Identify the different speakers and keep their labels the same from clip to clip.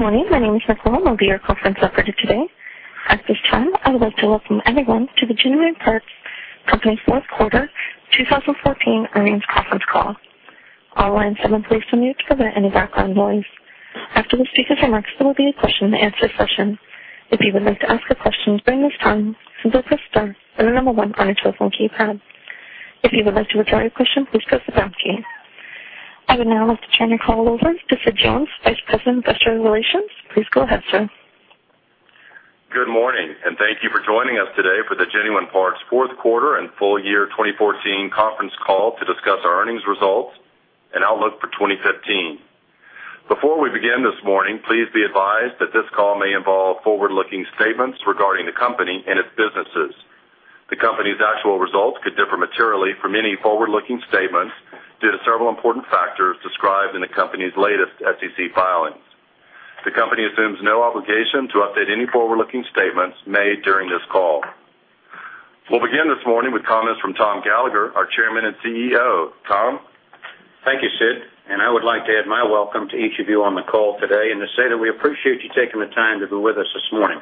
Speaker 1: Good morning. My name is Nicole, and I'll be your conference operator today. At this time, I would like to welcome everyone to the Genuine Parts Company Fourth Quarter 2014 Earnings Conference Call. All lines have been placed on mute to prevent any background noise. After the speakers' remarks, there will be a question-and-answer session. If you would like to ask a question during this time, simply press star, then the number one on your telephone keypad. If you would like to withdraw your question, please press the pound key. I would now like to turn the call over to Sid Jones, Vice President of Investor Relations. Please go ahead, sir.
Speaker 2: Good morning. Thank you for joining us today for the Genuine Parts fourth quarter and full year 2014 conference call to discuss our earnings results and outlook for 2015. Before we begin this morning, please be advised that this call may involve forward-looking statements regarding the company and its businesses. The company's actual results could differ materially from any forward-looking statements due to several important factors described in the company's latest SEC filings. The company assumes no obligation to update any forward-looking statements made during this call. We'll begin this morning with comments from Tom Gallagher, our Chairman and CEO. Tom?
Speaker 3: Thank you, Sid. I would like to add my welcome to each of you on the call today, and to say that we appreciate you taking the time to be with us this morning.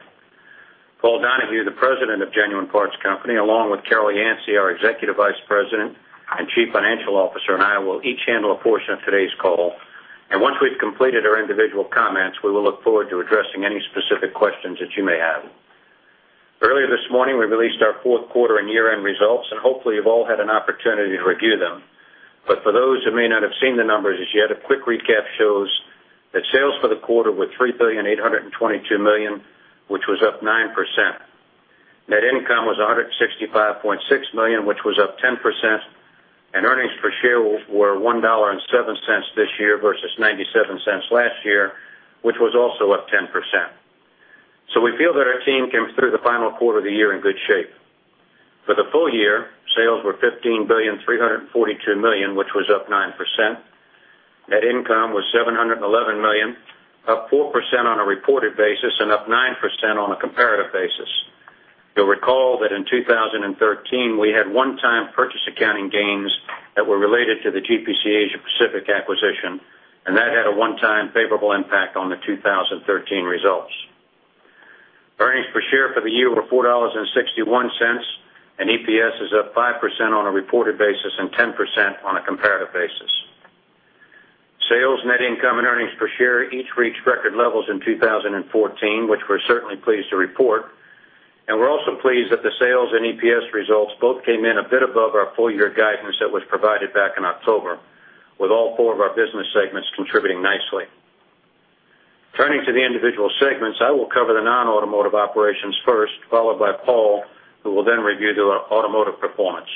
Speaker 3: Paul Donahue, the President of Genuine Parts Company, along with Carol Yancey, our Executive Vice President and Chief Financial Officer, and I will each handle a portion of today's call. Once we've completed our individual comments, we will look forward to addressing any specific questions that you may have. Earlier this morning, we released our fourth quarter and year-end results. Hopefully, you've all had an opportunity to review them. For those who may not have seen the numbers as yet, a quick recap shows that sales for the quarter were $3.822 billion, which was up 9%. Net income was $165.6 million, which was up 10%. Earnings per share were $1.07 this year versus $0.97 last year, which was also up 10%. We feel that our team came through the final quarter of the year in good shape. For the full year, sales were $15.342 billion, which was up 9%. Net income was $711 million, up 4% on a reported basis and up 9% on a comparative basis. You'll recall that in 2013, we had one-time purchase accounting gains that were related to the GPC Asia Pacific acquisition. That had a one-time favorable impact on the 2013 results. Earnings per share for the year were $4.61. EPS is up 5% on a reported basis and 10% on a comparative basis. Sales, net income, and earnings per share each reached record levels in 2014, which we're certainly pleased to report. We're also pleased that the sales and EPS results both came in a bit above our full-year guidance that was provided back in October, with all four of our business segments contributing nicely. Turning to the individual segments, I will cover the non-automotive operations first, followed by Paul, who will then review the automotive performance.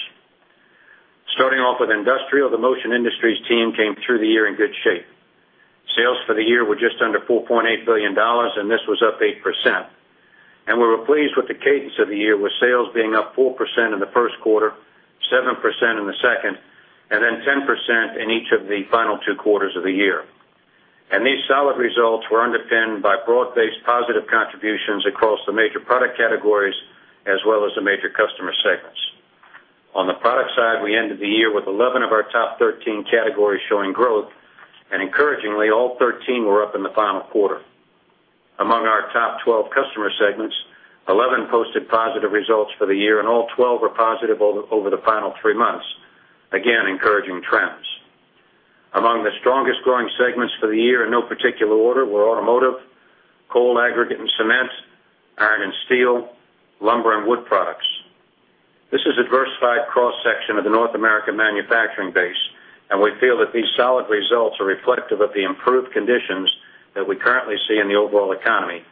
Speaker 3: Starting off with Industrial, the Motion Industries team came through the year in good shape. Sales for the year were just under $4.8 billion, and this was up 8%. We were pleased with the cadence of the year, with sales being up 4% in the first quarter, 7% in the second, then 10% in each of the final two quarters of the year. These solid results were underpinned by broad-based positive contributions across the major product categories, as well as the major customer segments. On the product side, we ended the year with 11 of our top 13 categories showing growth, encouragingly, all 13 were up in the final quarter. Among our top 12 customer segments, 11 posted positive results for the year, and all 12 were positive over the final three months. Again, encouraging trends. Among the strongest growing segments for the year in no particular order were automotive, coal aggregate and cement, iron and steel, lumber and wood products. This is a diversified cross-section of the North American manufacturing base. We feel that these solid results are reflective of the improved conditions that we currently see in the overall economy,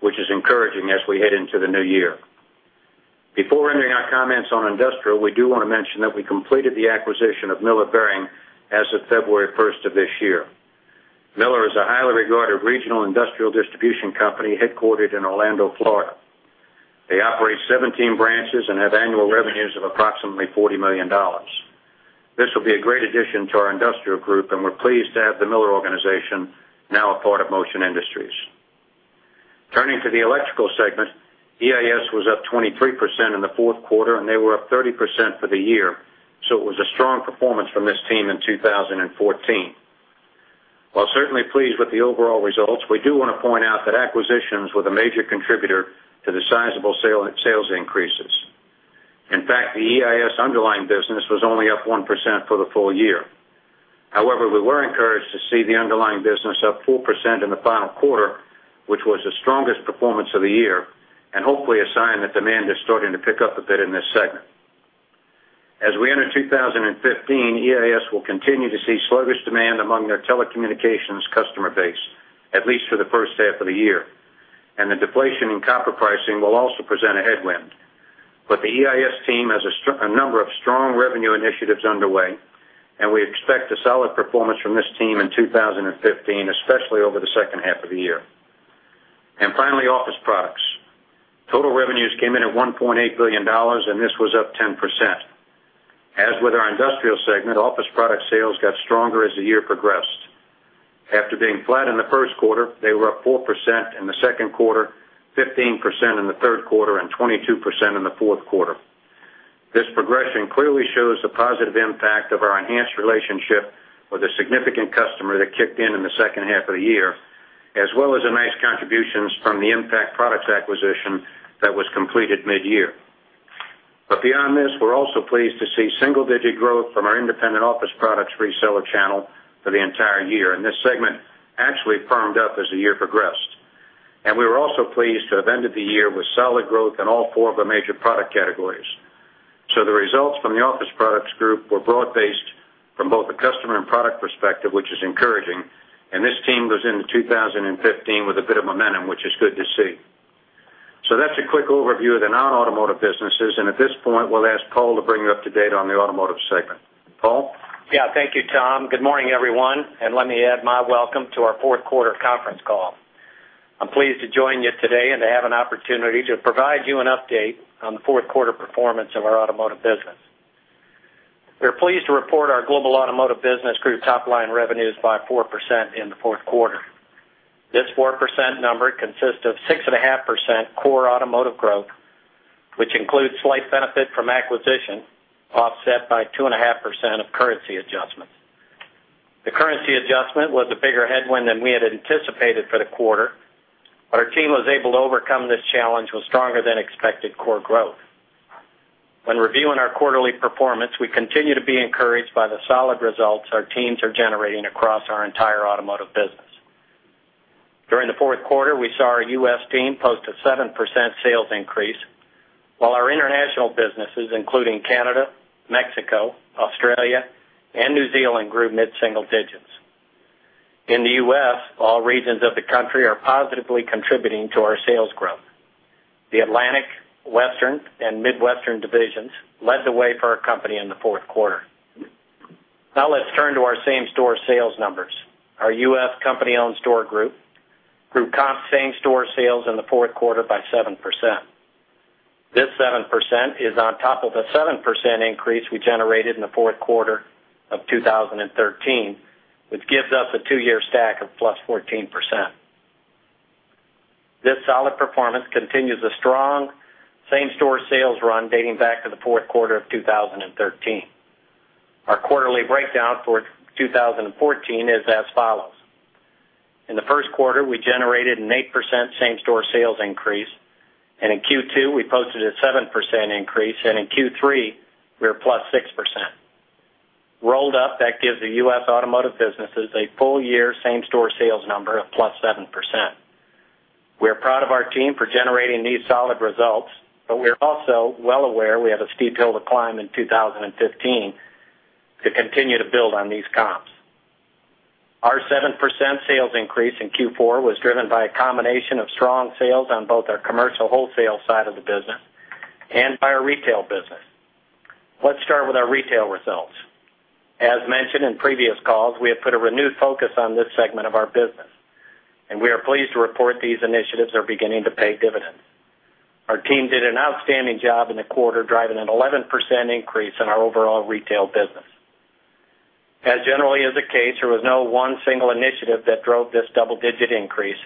Speaker 3: which is encouraging as we head into the new year. Before ending our comments on Industrial, we do want to mention that we completed the acquisition of Miller Bearings as of February 1st of this year. Miller is a highly regarded regional Industrial distribution company headquartered in Orlando, Florida. They operate 17 branches and have annual revenues of approximately $40 million. This will be a great addition to our Industrial group. We're pleased to have the Miller organization now a part of Motion Industries. Turning to the Electrical segment, EIS was up 23% in the fourth quarter. They were up 30% for the year, it was a strong performance from this team in 2014. While certainly pleased with the overall results, we do want to point out that acquisitions were the major contributor to the sizable sales increases. In fact, the EIS underlying business was only up 1% for the full year. However, we were encouraged to see the underlying business up 4% in the final quarter, which was the strongest performance of the year, hopefully a sign that demand is starting to pick up a bit in this segment. As we enter 2015, EIS will continue to see sluggish demand among their telecommunications customer base, at least for the first half of the year. The deflation in copper pricing will also present a headwind. The EIS team has a number of strong revenue initiatives underway, and we expect a solid performance from this team in 2015, especially over the second half of the year. Finally, Office Products. Total revenues came in at $1.8 billion, this was up 10%. As with our Industrial segment, Office Product sales got stronger as the year progressed. After being flat in the first quarter, they were up 4% in the second quarter, 15% in the third quarter, and 22% in the fourth quarter. This progression clearly shows the positive impact of our enhanced relationship with a significant customer that kicked in the second half of the year, as well as the nice contributions from the Impact Products acquisition that was completed mid-year. Beyond this, we're also pleased to see single-digit growth from our independent office products reseller channel for the entire year. This segment actually firmed up as the year progressed. We were also pleased to have ended the year with solid growth in all four of the major product categories. The results from the office products group were broad-based from both a customer and product perspective, which is encouraging, and this team goes into 2015 with a bit of momentum, which is good to see. That's a quick overview of the non-automotive businesses. At this point, we'll ask Paul to bring you up to date on the automotive segment. Paul?
Speaker 4: Thank you, Tom. Good morning, everyone, and let me add my welcome to our fourth quarter conference call. I'm pleased to join you today and to have an opportunity to provide you an update on the fourth quarter performance of our automotive business. We are pleased to report our global automotive business grew top line revenues by 4% in the fourth quarter. This 4% number consists of 6.5% core automotive growth, which includes slight benefit from acquisition, offset by 2.5% of currency adjustments. The currency adjustment was a bigger headwind than we had anticipated for the quarter. Our team was able to overcome this challenge with stronger than expected core growth. When reviewing our quarterly performance, we continue to be encouraged by the solid results our teams are generating across our entire automotive business. During the fourth quarter, we saw our U.S. team post a 7% sales increase, while our international businesses, including Canada, Mexico, Australia, and New Zealand, grew mid-single digits. In the U.S., all regions of the country are positively contributing to our sales growth. The Atlantic, Western, and Midwestern divisions led the way for our company in the fourth quarter. Now let's turn to our same-store sales numbers. Our U.S. company-owned store group grew comp same-store sales in the fourth quarter by 7%. This 7% is on top of the 7% increase we generated in the fourth quarter of 2013, which gives us a two-year stack of +14%. This solid performance continues a strong same-store sales run dating back to the fourth quarter of 2013. Our quarterly breakdown for 2014 is as follows: In the first quarter, we generated an 8% same-store sales increase, in Q2, we posted a 7% increase, in Q3, we are plus 6%. Rolled up, that gives the U.S. automotive businesses a full-year same-store sales number of plus 7%. We are proud of our team for generating these solid results, but we are also well aware we have a steep hill to climb in 2015 to continue to build on these comps. Our 7% sales increase in Q4 was driven by a combination of strong sales on both our commercial wholesale side of the business and by our retail business. Let's start with our retail results. As mentioned in previous calls, we have put a renewed focus on this segment of our business, and we are pleased to report these initiatives are beginning to pay dividends. Our team did an outstanding job in the quarter, driving an 11% increase in our overall retail business. As generally is the case, there was no one single initiative that drove this double-digit increase,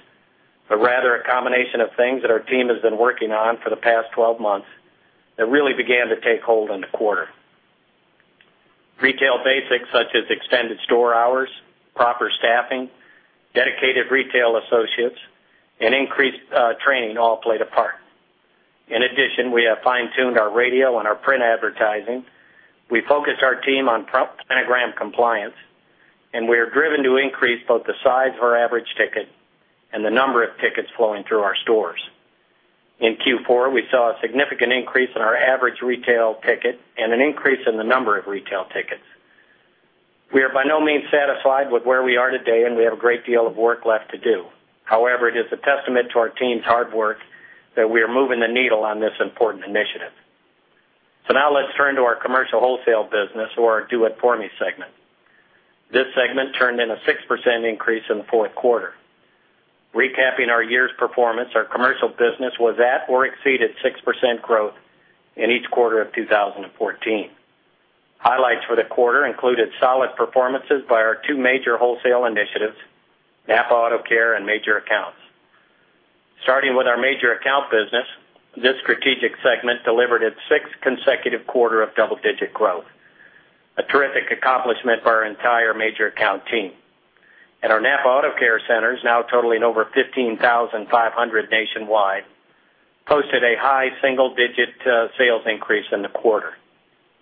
Speaker 4: but rather a combination of things that our team has been working on for the past 12 months that really began to take hold in the quarter. Retail basics such as extended store hours, proper staffing, dedicated retail associates, and increased training all played a part. In addition, we have fine-tuned our radio and our print advertising. We focused our team on prompt planogram compliance, and we are driven to increase both the size of our average ticket and the number of tickets flowing through our stores. In Q4, we saw a significant increase in our average retail ticket and an increase in the number of retail tickets. We are by no means satisfied with where we are today, and we have a great deal of work left to do. However, it is a testament to our team's hard work that we are moving the needle on this important initiative. Now let's turn to our commercial wholesale business or our Do It For Me segment. This segment turned in a 6% increase in the fourth quarter. Recapping our year's performance, our commercial business was at or exceeded 6% growth in each quarter of 2014. Highlights for the quarter included solid performances by our two major wholesale initiatives, NAPA AutoCare and Major Accounts. Starting with our major account business, this strategic segment delivered its sixth consecutive quarter of double-digit growth, a terrific accomplishment for our entire major account team. Our NAPA AutoCare centers, now totaling over 15,500 nationwide, posted a high single-digit sales increase in the quarter.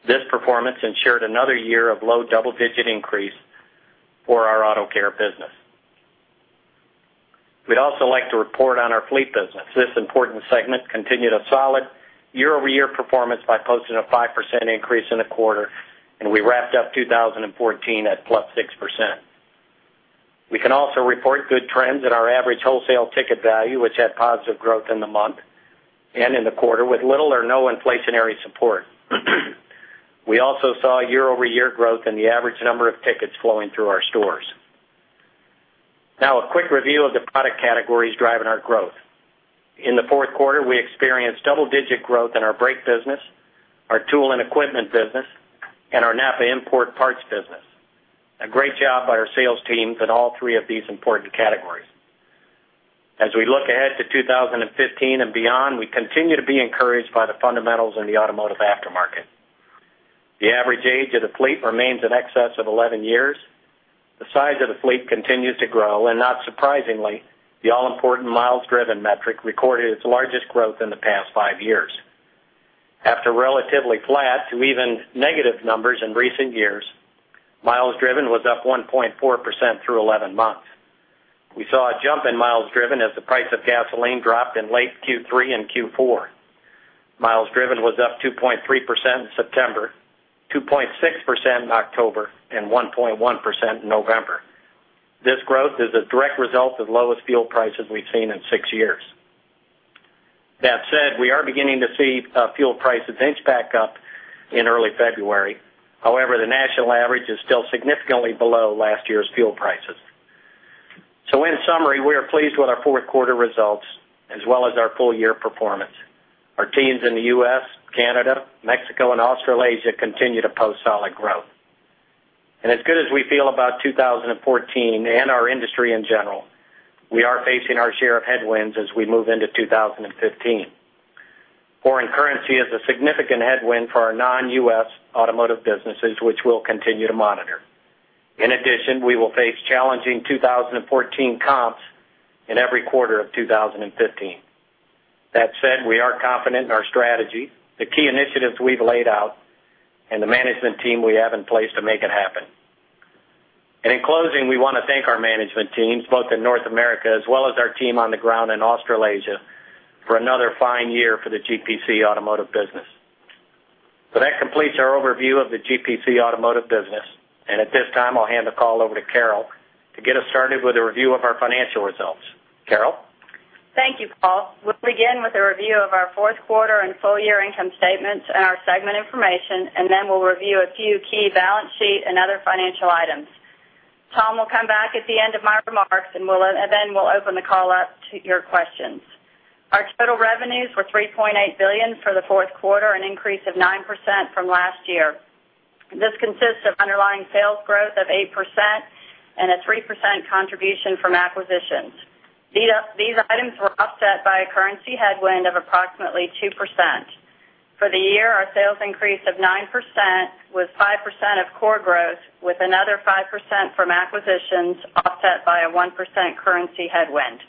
Speaker 4: This performance ensured another year of low double-digit increase for our AutoCare business. We'd also like to report on our fleet business. This important segment continued a solid year-over-year performance by posting a 5% increase in the quarter, and we wrapped up 2014 at plus 6%. We can also report good trends in our average wholesale ticket value, which had positive growth in the month and in the quarter, with little or no inflationary support. We also saw year-over-year growth in the average number of tickets flowing through our stores. Now a quick review of the product categories driving our growth. In the fourth quarter, we experienced double-digit growth in our brake business, our tool and equipment business, and our NAPA import parts business. A great job by our sales teams in all three of these important categories. As we look ahead to 2015 and beyond, we continue to be encouraged by the fundamentals in the automotive aftermarket. The average age of the fleet remains in excess of 11 years. The size of the fleet continues to grow, and not surprisingly, the all-important miles driven metric recorded its largest growth in the past five years. After relatively flat to even negative numbers in recent years, miles driven was up 1.4% through 11 months. We saw a jump in miles driven as the price of gasoline dropped in late Q3 and Q4. Miles driven was up 2.3% in September, 2.6% in October, and 1.1% in November. This growth is a direct result of the lowest fuel prices we've seen in six years. That said, we are beginning to see fuel prices inch back up in early February. However, the national average is still significantly below last year's fuel prices. In summary, we are pleased with our fourth quarter results as well as our full-year performance. Our teams in the U.S., Canada, Mexico, and Australasia continue to post solid growth. As good as we feel about 2014 and our industry in general, we are facing our share of headwinds as we move into 2015. Foreign currency is a significant headwind for our non-U.S. automotive businesses, which we'll continue to monitor. In addition, we will face challenging 2014 comps in every quarter of 2015. That said, we are confident in our strategy, the key initiatives we've laid out, and the management team we have in place to make it happen. In closing, we want to thank our management teams, both in North America as well as our team on the ground in Australasia, for another fine year for the GPC Automotive business. That completes our overview of the GPC Automotive business. At this time, I'll hand the call over to Carol to get us started with a review of our financial results. Carol?
Speaker 5: Thank you, Paul. We'll begin with a review of our fourth quarter and full-year income statements and our segment information, then we'll review a few key balance sheet and other financial items. Tom will come back at the end of my remarks, then we'll open the call up to your questions. Our total revenues were $3.8 billion for the fourth quarter, an increase of 9% from last year. This consists of underlying sales growth of 8% and a 3% contribution from acquisitions. These items were offset by a currency headwind of approximately 2%. For the year, our sales increase of 9% was 5% of core growth, with another 5% from acquisitions offset by a 1% currency headwind.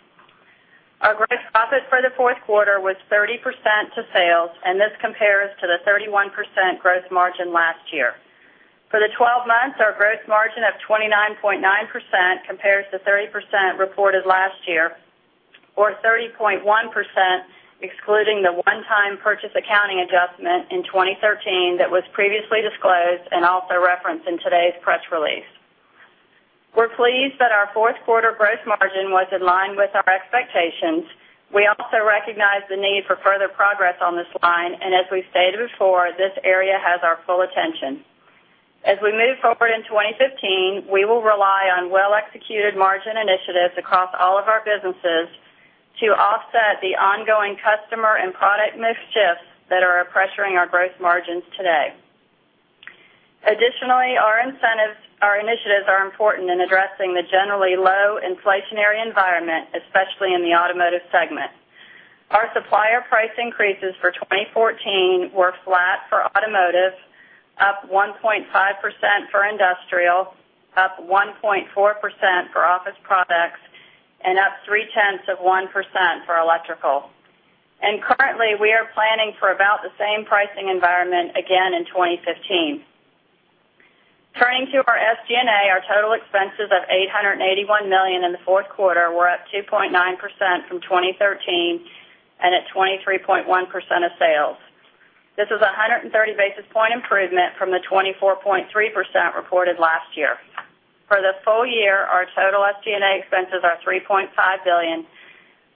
Speaker 5: Our gross profit for the fourth quarter was 30% to sales, this compares to the 31% gross margin last year. For the 12 months, our gross margin of 29.9% compares to 30% reported last year or 30.1% excluding the one-time purchase accounting adjustment in 2013 that was previously disclosed and also referenced in today's press release. We're pleased that our fourth quarter gross margin was in line with our expectations. We also recognize the need for further progress on this line, and as we've stated before, this area has our full attention. As we move forward in 2015, we will rely on well-executed margin initiatives across all of our businesses to offset the ongoing customer and product mix shifts that are pressuring our gross margins today. Additionally, our initiatives are important in addressing the generally low inflationary environment, especially in the automotive segment. Our supplier price increases for 2014 were flat for automotive, up 1.5% for industrial, up 1.4% for office products, and up three-tenths of 1% for electrical. Currently, we are planning for about the same pricing environment again in 2015. Turning to our SG&A, our total expenses of $881 million in the fourth quarter were up 2.9% from 2013 and at 23.1% of sales. This is a 130-basis-point improvement from the 24.3% reported last year. For the full year, our total SG&A expenses are $3.5 billion,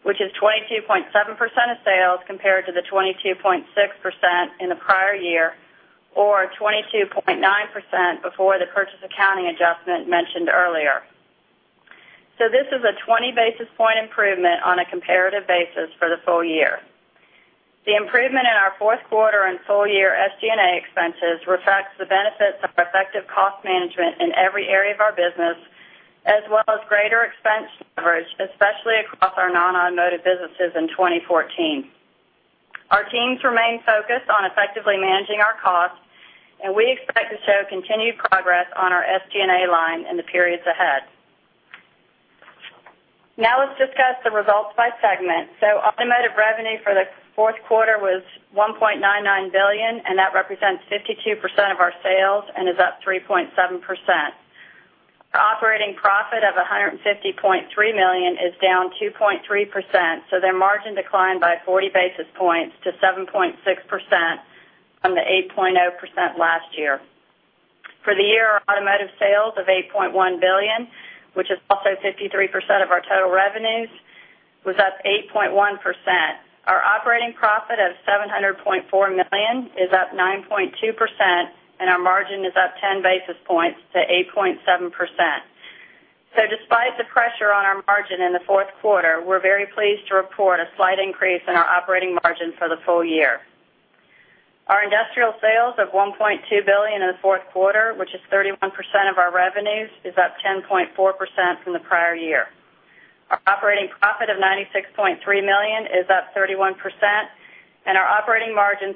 Speaker 5: which is 22.7% of sales, compared to the 22.6% in the prior year, or 22.9% before the purchase accounting adjustment mentioned earlier. This is a 20-basis-point improvement on a comparative basis for the full year. The improvement in our fourth quarter and full-year SG&A expenses reflects the benefits of effective cost management in every area of our business, as well as greater expense leverage, especially across our non-automotive businesses in 2014. Our teams remain focused on effectively managing our costs, and we expect to show continued progress on our SG&A line in the periods ahead. Now let's discuss the results by segment. Automotive revenue for the fourth quarter was $1.99 billion, and that represents 52% of our sales and is up 3.7%. Our operating profit of $150.3 million is down 2.3%, so their margin declined by 40 basis points to 7.6% from the 8.0% last year. For the year, our automotive sales of $8.1 billion, which is also 53% of our total revenues, was up 8.1%. Our operating profit of $700.4 million is up 9.2%, and our margin is up 10 basis points to 8.7%. Despite the pressure on our margin in the fourth quarter, we're very pleased to report a slight increase in our operating margin for the full year. Our industrial sales of $1.2 billion in the fourth quarter, which is 31% of our revenues, is up 10.4% from the prior year. Our operating profit of $96.3 million is up 31%, and our operating margin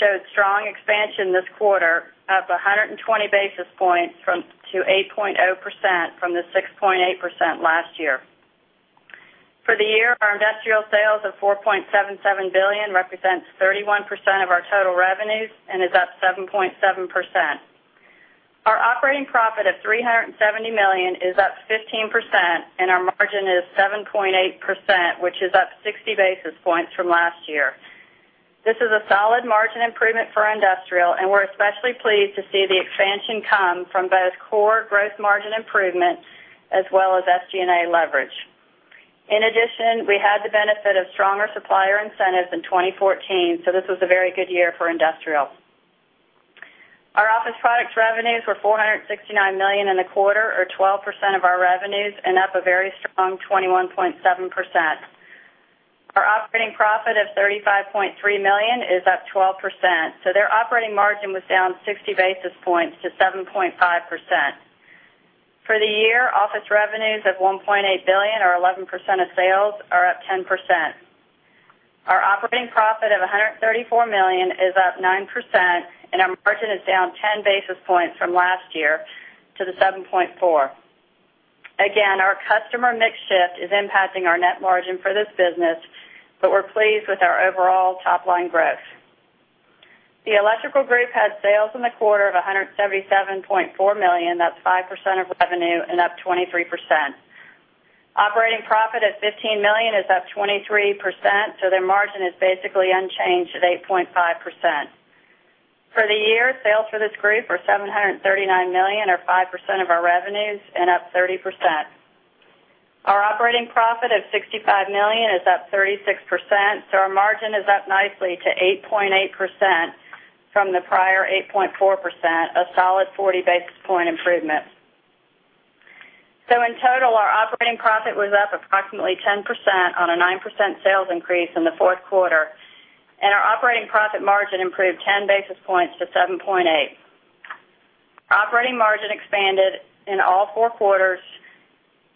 Speaker 5: showed strong expansion this quarter, up 120 basis points to 8.0% from the 6.8% last year. For the year, our industrial sales of $4.77 billion represents 31% of our total revenues and is up 7.7%. Our operating profit of $370 million is up 15% and our margin is 7.8%, which is up 60 basis points from last year. This is a solid margin improvement for industrial, and we're especially pleased to see the expansion come from both core growth margin improvement as well as SG&A leverage. In addition, we had the benefit of stronger supplier incentives in 2014, so this was a very good year for industrial. Our office products revenues were $469 million in the quarter, or 12% of our revenues and up a very strong 21.7%. Our operating profit of $35.3 million is up 12%. Their operating margin was down 60 basis points to 7.5%. For the year, office revenues of $1.8 billion, or 11% of sales, are up 10%. Our operating profit of $134 million is up 9%. Our margin is down 10 basis points from last year to the 7.4%. Again, our customer mix shift is impacting our net margin for this business, but we're pleased with our overall top-line growth. The Electrical group had sales in the quarter of $177.4 million, that's 5% of revenue and up 23%. Operating profit at $15 million is up 23%. Their margin is basically unchanged at 8.5%. For the year, sales for this group were $739 million, or 5% of our revenues, and up 30%. Our operating profit of $65 million is up 36%. Our margin is up nicely to 8.8% from the prior 8.4%, a solid 40 basis point improvement. In total, our operating profit was up approximately 10% on a 9% sales increase in the fourth quarter. Our operating profit margin improved 10 basis points to 7.8%. Operating margin expanded in all four quarters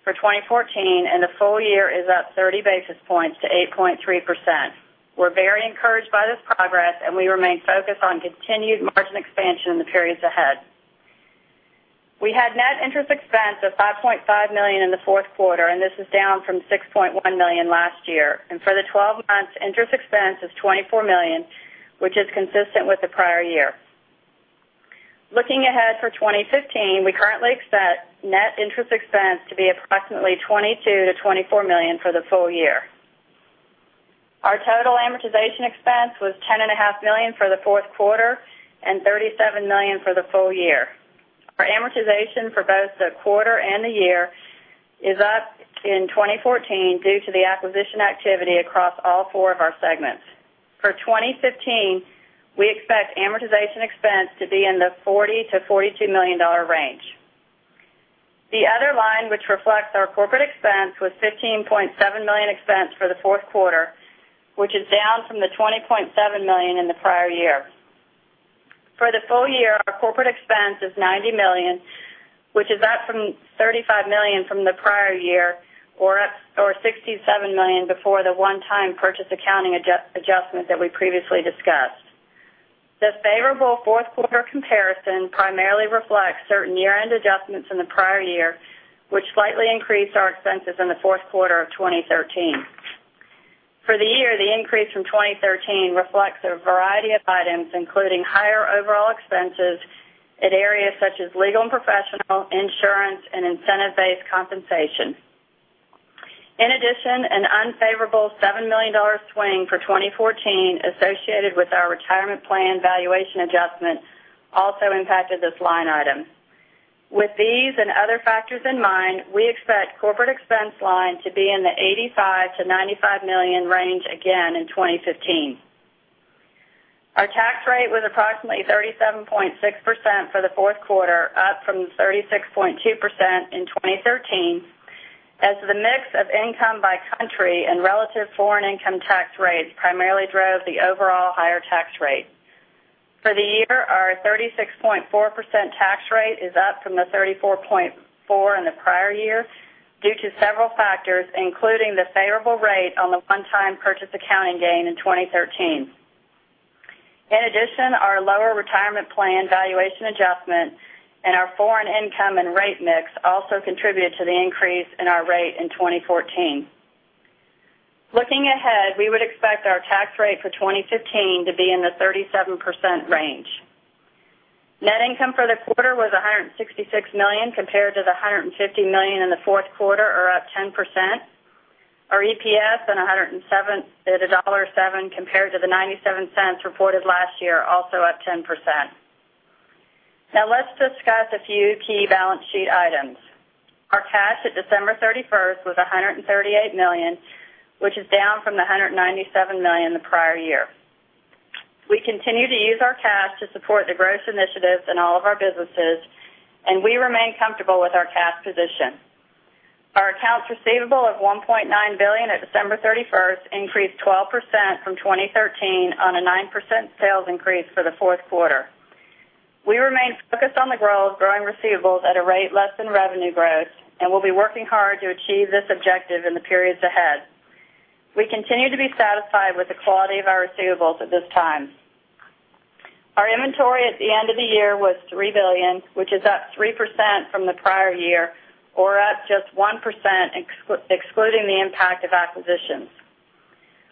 Speaker 5: for 2014. The full year is up 30 basis points to 8.3%. We're very encouraged by this progress, and we remain focused on continued margin expansion in the periods ahead. We had net interest expense of $5.5 million in the fourth quarter. This is down from $6.1 million last year. For the 12 months, interest expense is $24 million, which is consistent with the prior year. Looking ahead for 2015, we currently expect net interest expense to be approximately $22 million-$24 million for the full year. Our total amortization expense was $10.5 million for the fourth quarter and $37 million for the full year. Our amortization for both the quarter and the year is up in 2014 due to the acquisition activity across all four of our segments. For 2015, we expect amortization expense to be in the $40 million-$42 million range. The other line, which reflects our corporate expense, was $15.7 million expense for the fourth quarter, which is down from the $20.7 million in the prior year. For the full year, our corporate expense is $90 million, which is up from $35 million from the prior year, or $67 million before the one-time purchase accounting adjustment that we previously discussed. This favorable fourth quarter comparison primarily reflects certain year-end adjustments in the prior year, which slightly increased our expenses in the fourth quarter of 2013. For the year, the increase from 2013 reflects a variety of items, including higher overall expenses in areas such as legal and professional, insurance, and incentive-based compensation. In addition, an unfavorable $7 million swing for 2014 associated with our retirement plan valuation adjustment also impacted this line item. With these and other factors in mind, we expect corporate expense line to be in the $85 million-$95 million range again in 2015. Our tax rate was approximately 37.6% for the fourth quarter, up from the 36.2% in 2013, as the mix of income by country and relative foreign income tax rates primarily drove the overall higher tax rate. For the year, our 36.4% tax rate is up from the 34.4% in the prior year due to several factors, including the favorable rate on the one-time purchase accounting gain in 2013. In addition, our lower retirement plan valuation adjustment and our foreign income and rate mix also contributed to the increase in our rate in 2014. Looking ahead, we would expect our tax rate for 2015 to be in the 37% range. Net income for the quarter was $166 million, compared to the $150 million in the fourth quarter, or up 10%. Our EPS at $1.07 compared to the $0.97 reported last year, also up 10%. Now let's discuss a few key balance sheet items. Our cash at December 31st was $138 million, which is down from the $197 million the prior year. We continue to use our cash to support the growth initiatives in all of our businesses, and we remain comfortable with our cash position. Accounts receivable of $1.9 billion at December 31 increased 12% from 2013 on a 9% sales increase for the fourth quarter. We remain focused on growing receivables at a rate less than revenue growth, and we'll be working hard to achieve this objective in the periods ahead. We continue to be satisfied with the quality of our receivables at this time. Our inventory at the end of the year was $3 billion, which is up 3% from the prior year or up just 1%, excluding the impact of acquisitions.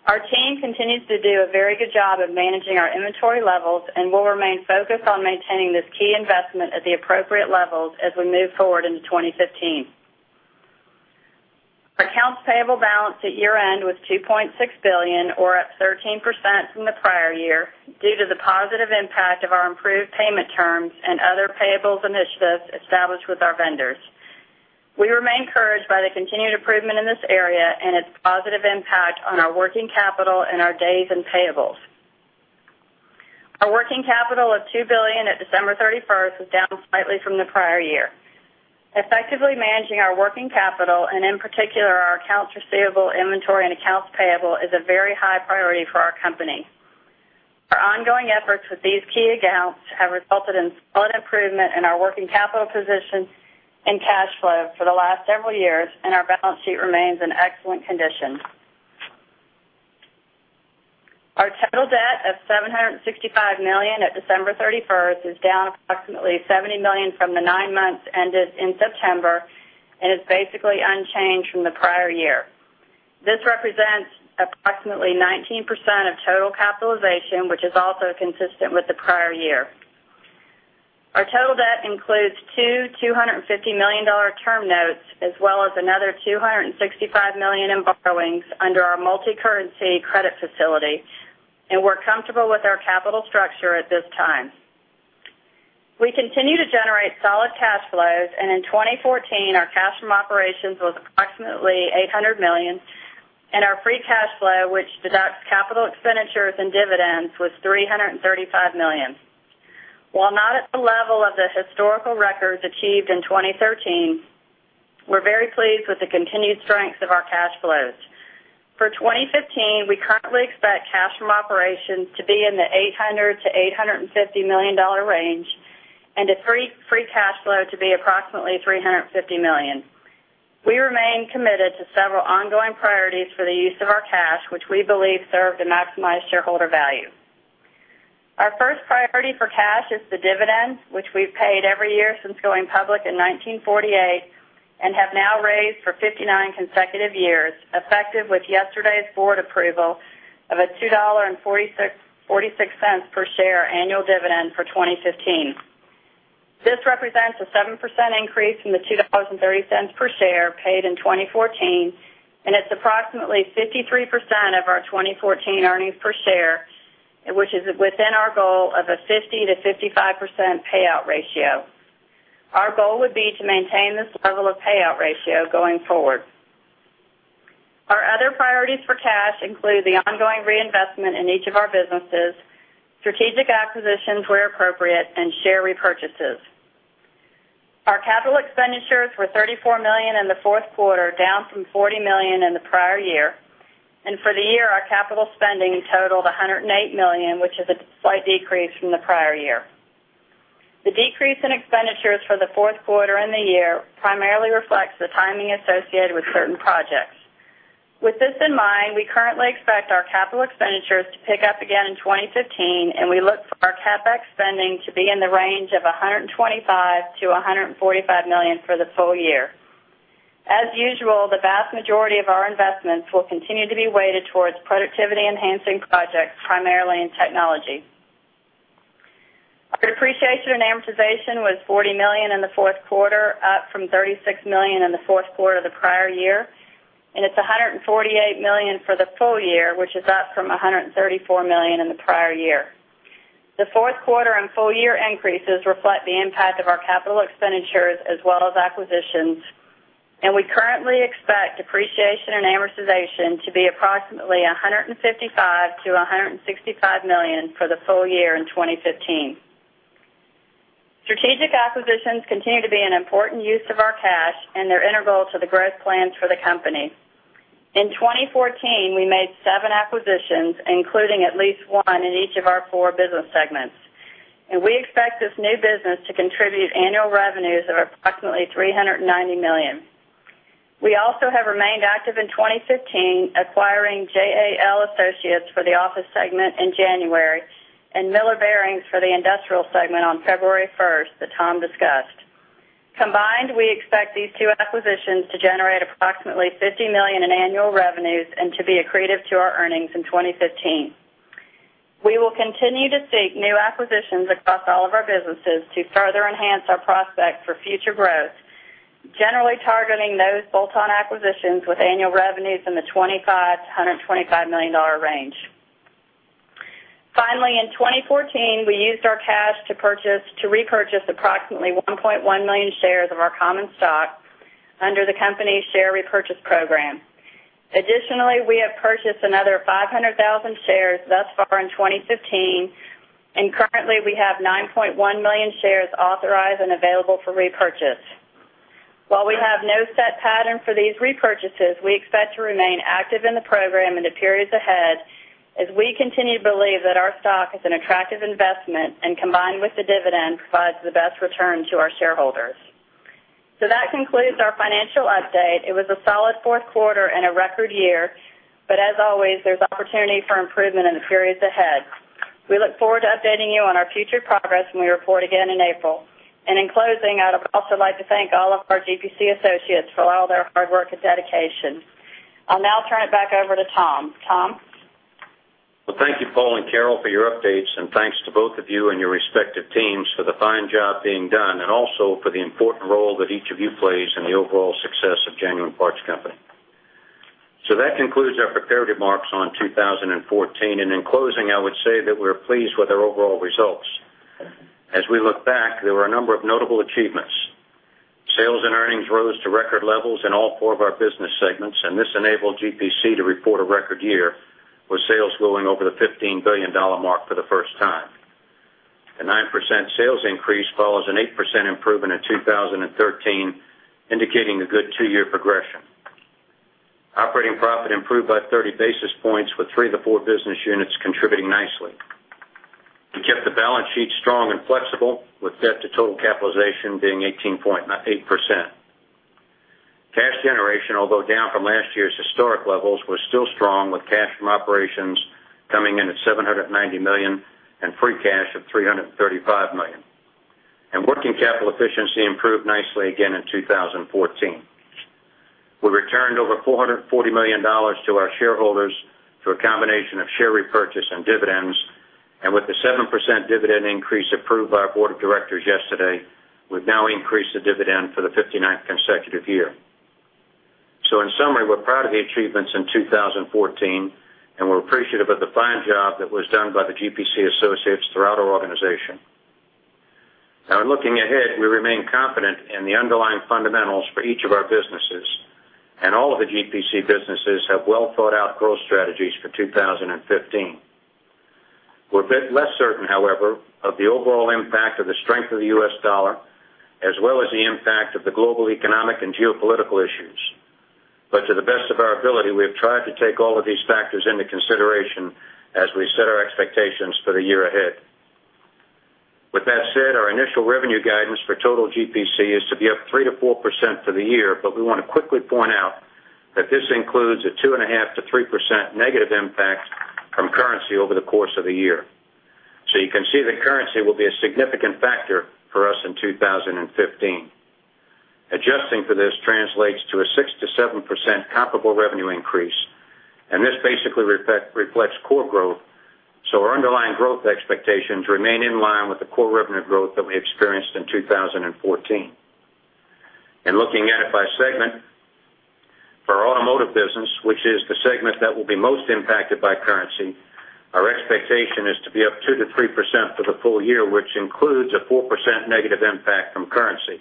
Speaker 5: Our team continues to do a very good job of managing our inventory levels and will remain focused on maintaining this key investment at the appropriate levels as we move forward into 2015. Our accounts payable balance at year-end was $2.6 billion or up 13% from the prior year due to the positive impact of our improved payment terms and other payables initiatives established with our vendors. We remain encouraged by the continued improvement in this area and its positive impact on our working capital and our days and payables. Our working capital of $2 billion at December 31st was down slightly from the prior year. Effectively managing our working capital, and in particular our accounts receivable, inventory, and accounts payable, is a very high priority for our company. Our ongoing efforts with these key accounts have resulted in solid improvement in our working capital position and cash flow for the last several years, and our balance sheet remains in excellent condition. Our total debt of $765 million at December 31st is down approximately $70 million from the nine months ended in September and is basically unchanged from the prior year. This represents approximately 19% of total capitalization, which is also consistent with the prior year. Our total debt includes two $250 million term notes as well as another $265 million in borrowings under our multicurrency credit facility, and we're comfortable with our capital structure at this time. We continue to generate solid cash flows, and in 2014, our cash from operations was approximately $1.25 billion, and our free cash flow, which deducts capital expenditures and dividends, was $335 million. While not at the level of the historical records achieved in 2013, we're very pleased with the continued strength of our cash flows. For 2015, we currently expect cash from operations to be in the $800 million to $850 million range and the free cash flow to be approximately $350 million. We remain committed to several ongoing priorities for the use of our cash, which we believe serve to maximize shareholder value. Our first priority for cash is the dividend, which we've paid every year since going public in 1948 and have now raised for 59 consecutive years, effective with yesterday's board approval of a $2.46 per share annual dividend for 2015. This represents a 7% increase from the $2.30 per share paid in 2014, and it's approximately 53% of our 2014 earnings per share, which is within our goal of a 50%-55% payout ratio. Our goal would be to maintain this level of payout ratio going forward. Our other priorities for cash include the ongoing reinvestment in each of our businesses, strategic acquisitions where appropriate, and share repurchases. Our capital expenditures were $34 million in the fourth quarter, down from $40 million in the prior year. For the year, our capital spending totaled $108 million, which is a slight decrease from the prior year. The decrease in expenditures for the fourth quarter and the year primarily reflects the timing associated with certain projects. With this in mind, we currently expect our capital expenditures to pick up again in 2015, and we look for our CapEx spending to be in the range of $125 million to $145 million for the full year. As usual, the vast majority of our investments will continue to be weighted towards productivity-enhancing projects, primarily in technology. Our depreciation and amortization was $40 million in the fourth quarter, up from $36 million in the fourth quarter the prior year, and it's $148 million for the full year, which is up from $134 million in the prior year. The fourth quarter and full-year increases reflect the impact of our capital expenditures as well as acquisitions, and we currently expect depreciation and amortization to be approximately $155 million to $165 million for the full year in 2015. Strategic acquisitions continue to be an important use of our cash, and they're integral to the growth plans for the company. In 2014, we made seven acquisitions, including at least one in each of our four business segments, and we expect this new business to contribute annual revenues of approximately $390 million. We also have remained active in 2015, acquiring JAL Associates for the office segment in January and Miller Bearings for the industrial segment on February 1st, that Tom discussed. Combined, we expect these two acquisitions to generate approximately $50 million in annual revenues and to be accretive to our earnings in 2015. We will continue to seek new acquisitions across all of our businesses to further enhance our prospects for future growth, generally targeting those bolt-on acquisitions with annual revenues in the $25 million to $125 million range. Finally, in 2014, we used our cash to repurchase approximately 1.1 million shares of our common stock under the company's share repurchase program. Additionally, we have purchased another 500,000 shares thus far in 2015, and currently we have 9.1 million shares authorized and available for repurchase. While we have no set pattern for these repurchases, we expect to remain active in the program in the periods ahead as we continue to believe that our stock is an attractive investment and combined with the dividend, provides the best return to our shareholders. That concludes our financial update. It was a solid fourth quarter and a record year, as always, there's opportunity for improvement in the periods ahead. We look forward to updating you on our future progress when we report again in April. In closing, I would also like to thank all of our GPC associates for all their hard work and dedication. I'll now turn it back over to Tom. Tom?
Speaker 3: Thank you, Paul and Carol, for your updates and thanks to both of you and your respective teams for the fine job being done and also for the important role that each of you plays in the overall success of Genuine Parts Company. That concludes our prepared remarks on 2014, in closing, I would say that we're pleased with our overall results. As we look back, there were a number of notable achievements. Sales and earnings rose to record levels in all four of our business segments, this enabled GPC to report a record year with sales going over the $15 billion mark for the first time. A 9% sales increase follows an 8% improvement in 2013, indicating a good two-year progression. Operating profit improved by 30 basis points with three of the four business units contributing nicely. We kept the balance sheet strong and flexible with debt to total capitalization being 18.8%. Cash generation, although down from last year's historic levels, was still strong with cash from operations coming in at $790 million and free cash of $335 million. Working capital efficiency improved nicely again in 2014. We returned over $440 million to our shareholders through a combination of share repurchase and dividends. With the 7% dividend increase approved by our board of directors yesterday, we've now increased the dividend for the 59th consecutive year. In summary, we're proud of the achievements in 2014, we're appreciative of the fine job that was done by the GPC associates throughout our organization. In looking ahead, we remain confident in the underlying fundamentals for each of our businesses and all of the GPC businesses have well-thought-out growth strategies for 2015. We're a bit less certain, however, of the overall impact of the strength of the U.S. dollar, as well as the impact of the global economic and geopolitical issues. To the best of our ability, we have tried to take all of these factors into consideration as we set our expectations for the year ahead. With that said, our initial revenue guidance for total GPC is to be up 3%-4% for the year, we want to quickly point out that this includes a 2.5%-3% negative impact from currency over the course of the year. You can see that currency will be a significant factor for us in 2015. Adjusting for this translates to a 6%-7% comparable revenue increase, this basically reflects core growth. Our underlying growth expectations remain in line with the core revenue growth that we experienced in 2014. In looking at it by segment, for our automotive business, which is the segment that will be most impacted by currency, our expectation is to be up 2%-3% for the full year, which includes a 4% negative impact from currency.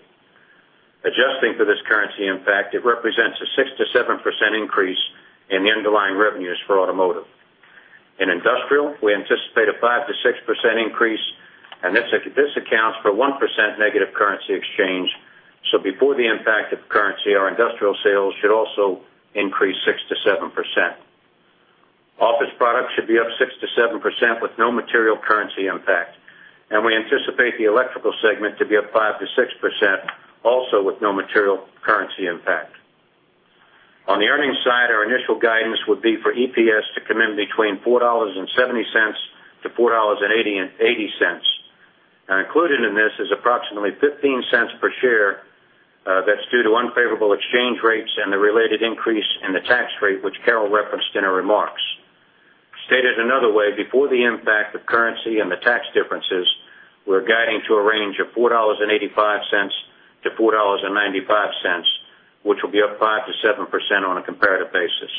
Speaker 3: Adjusting for this currency impact, it represents a 6%-7% increase in the underlying revenues for automotive. In industrial, we anticipate a 5%-6% increase, and this accounts for 1% negative currency exchange. Before the impact of currency, our industrial sales should also increase 6%-7%. Office products should be up 6%-7% with no material currency impact. We anticipate the electrical segment to be up 5%-6% also with no material currency impact. On the earnings side, our initial guidance would be for EPS to come in between $4.70-$4.80. Included in this is approximately $0.15 per share that's due to unfavorable exchange rates and the related increase in the tax rate, which Carol referenced in her remarks. Stated another way, before the impact of currency and the tax differences, we're guiding to a range of $4.85-$4.95, which will be up 5%-7% on a comparative basis.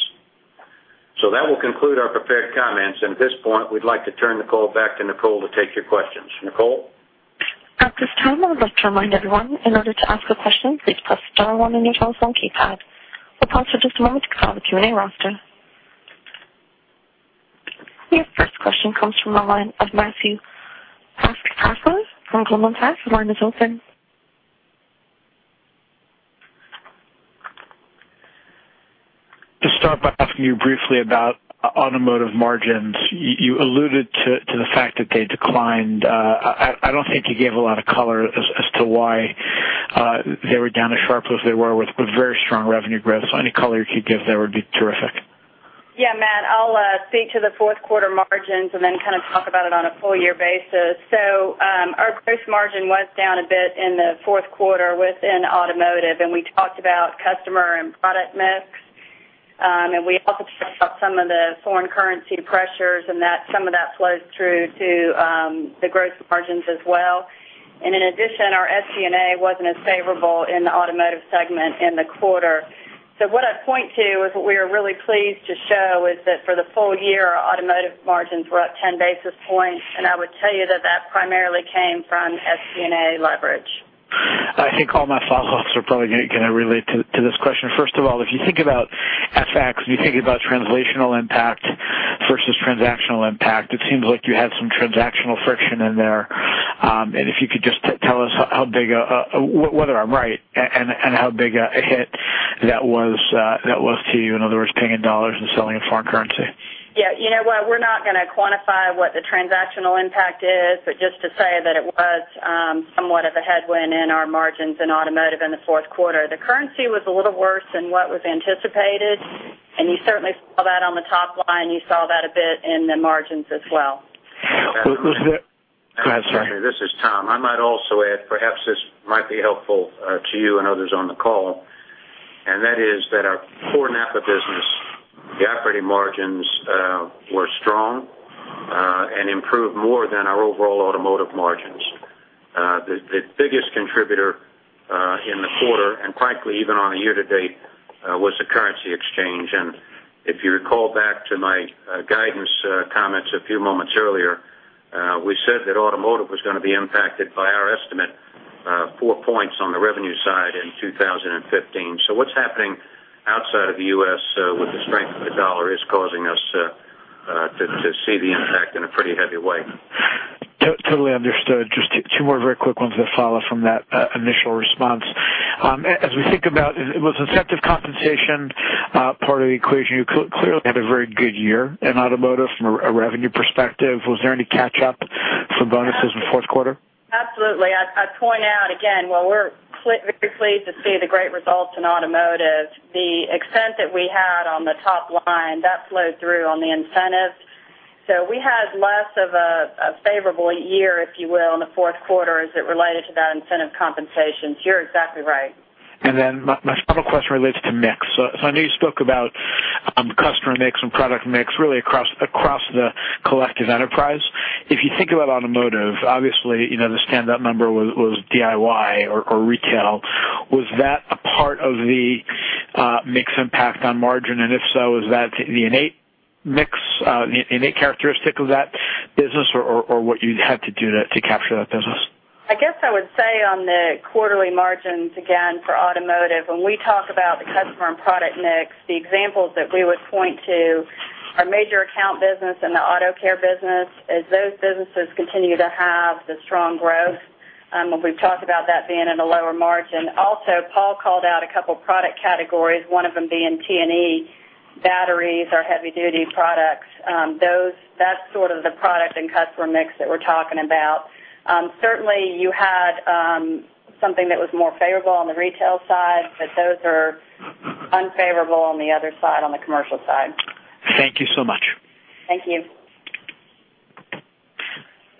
Speaker 3: That will conclude our prepared comments, and at this point, we'd like to turn the call back to Nicole to take your questions. Nicole?
Speaker 1: At this time, I would like to remind everyone, in order to ask a question, please press star one on your telephone keypad. We'll pause for just a moment to call the Q&A roster. Your first question comes from the line of Matthew Hoskisson from Global Test. Your line is open.
Speaker 6: To start by asking you briefly about automotive margins, you alluded to the fact that they declined. I don't think you gave a lot of color as to why they were down as sharply as they were with very strong revenue growth. Any color you could give there would be terrific.
Speaker 5: Yeah, Matt, I'll speak to the fourth quarter margins and then kind of talk about it on a full-year basis. Our gross margin was down a bit in the fourth quarter within automotive, and we talked about customer and product mix. We also talked about some of the foreign currency pressures and some of that flows through to the gross margins as well. In addition, our SG&A wasn't as favorable in the automotive segment in the quarter. What I'd point to is what we are really pleased to show is that for the full year, our automotive margins were up 10 basis points, and I would tell you that that primarily came from SG&A leverage.
Speaker 6: I think all my follow-ups are probably going to relate to this question. First of all, if you think about FX, you think about translational impact versus transactional impact, it seems like you had some transactional friction in there. If you could just tell us whether I'm right and how big a hit that was to you. In other words, paying in US dollars and selling in foreign currency.
Speaker 5: Yeah. You know what? We're not going to quantify what the transactional impact is, but just to say that it was somewhat of a headwind in our margins in automotive in the fourth quarter. The currency was a little worse than what was anticipated, and you certainly saw that on the top line. You saw that a bit in the margins as well.
Speaker 6: Go ahead, sorry.
Speaker 3: This is Tom. I might also add, perhaps this might be helpful to you and others on the call, that our core NAPA business, the operating margins were strong and improved more than our overall automotive margins. The biggest contributor in the quarter, and frankly, even on a year-to-date, was the currency exchange. If you recall back to my guidance comments a few moments earlier, we said that automotive was going to be impacted by our estimate four points on the revenue side in 2015. What's happening outside of the U.S. with the strength of the dollar is causing us to see the impact in a pretty heavy way.
Speaker 6: Totally understood. Just two more very quick ones that follow from that initial response. As we think about it, was incentive compensation part of the equation? You clearly had a very good year in automotive from a revenue perspective. Was there any catch up for bonuses in the fourth quarter?
Speaker 5: Absolutely. I'd point out again, while we're very pleased to see the great results in automotive, the extent that we had on the top line, that flowed through on the incentives. We had less of a favorable year, if you will, in the fourth quarter as it related to that incentive compensation. You're exactly right.
Speaker 6: My final question relates to mix. I know you spoke about customer mix and product mix really across the collective enterprise. If you think about automotive, obviously, the standout number was DIY or retail. Was that a part of the mix impact on margin? If so, is that the innate mix, the innate characteristic of that business or what you had to do to capture that business?
Speaker 5: I guess I would say on the quarterly margins, again, for automotive, when we talk about the customer and product mix, the examples that we would point to are major account business and the auto care business. As those businesses continue to have the strong growth, we've talked about that being at a lower margin. Also, Paul called out a couple product categories, one of them being P&E, batteries, our heavy duty products. That's sort of the product and customer mix that we're talking about. Certainly, you had something that was more favorable on the retail side, but those are unfavorable on the other side, on the commercial side.
Speaker 6: Thank you so much.
Speaker 5: Thank you.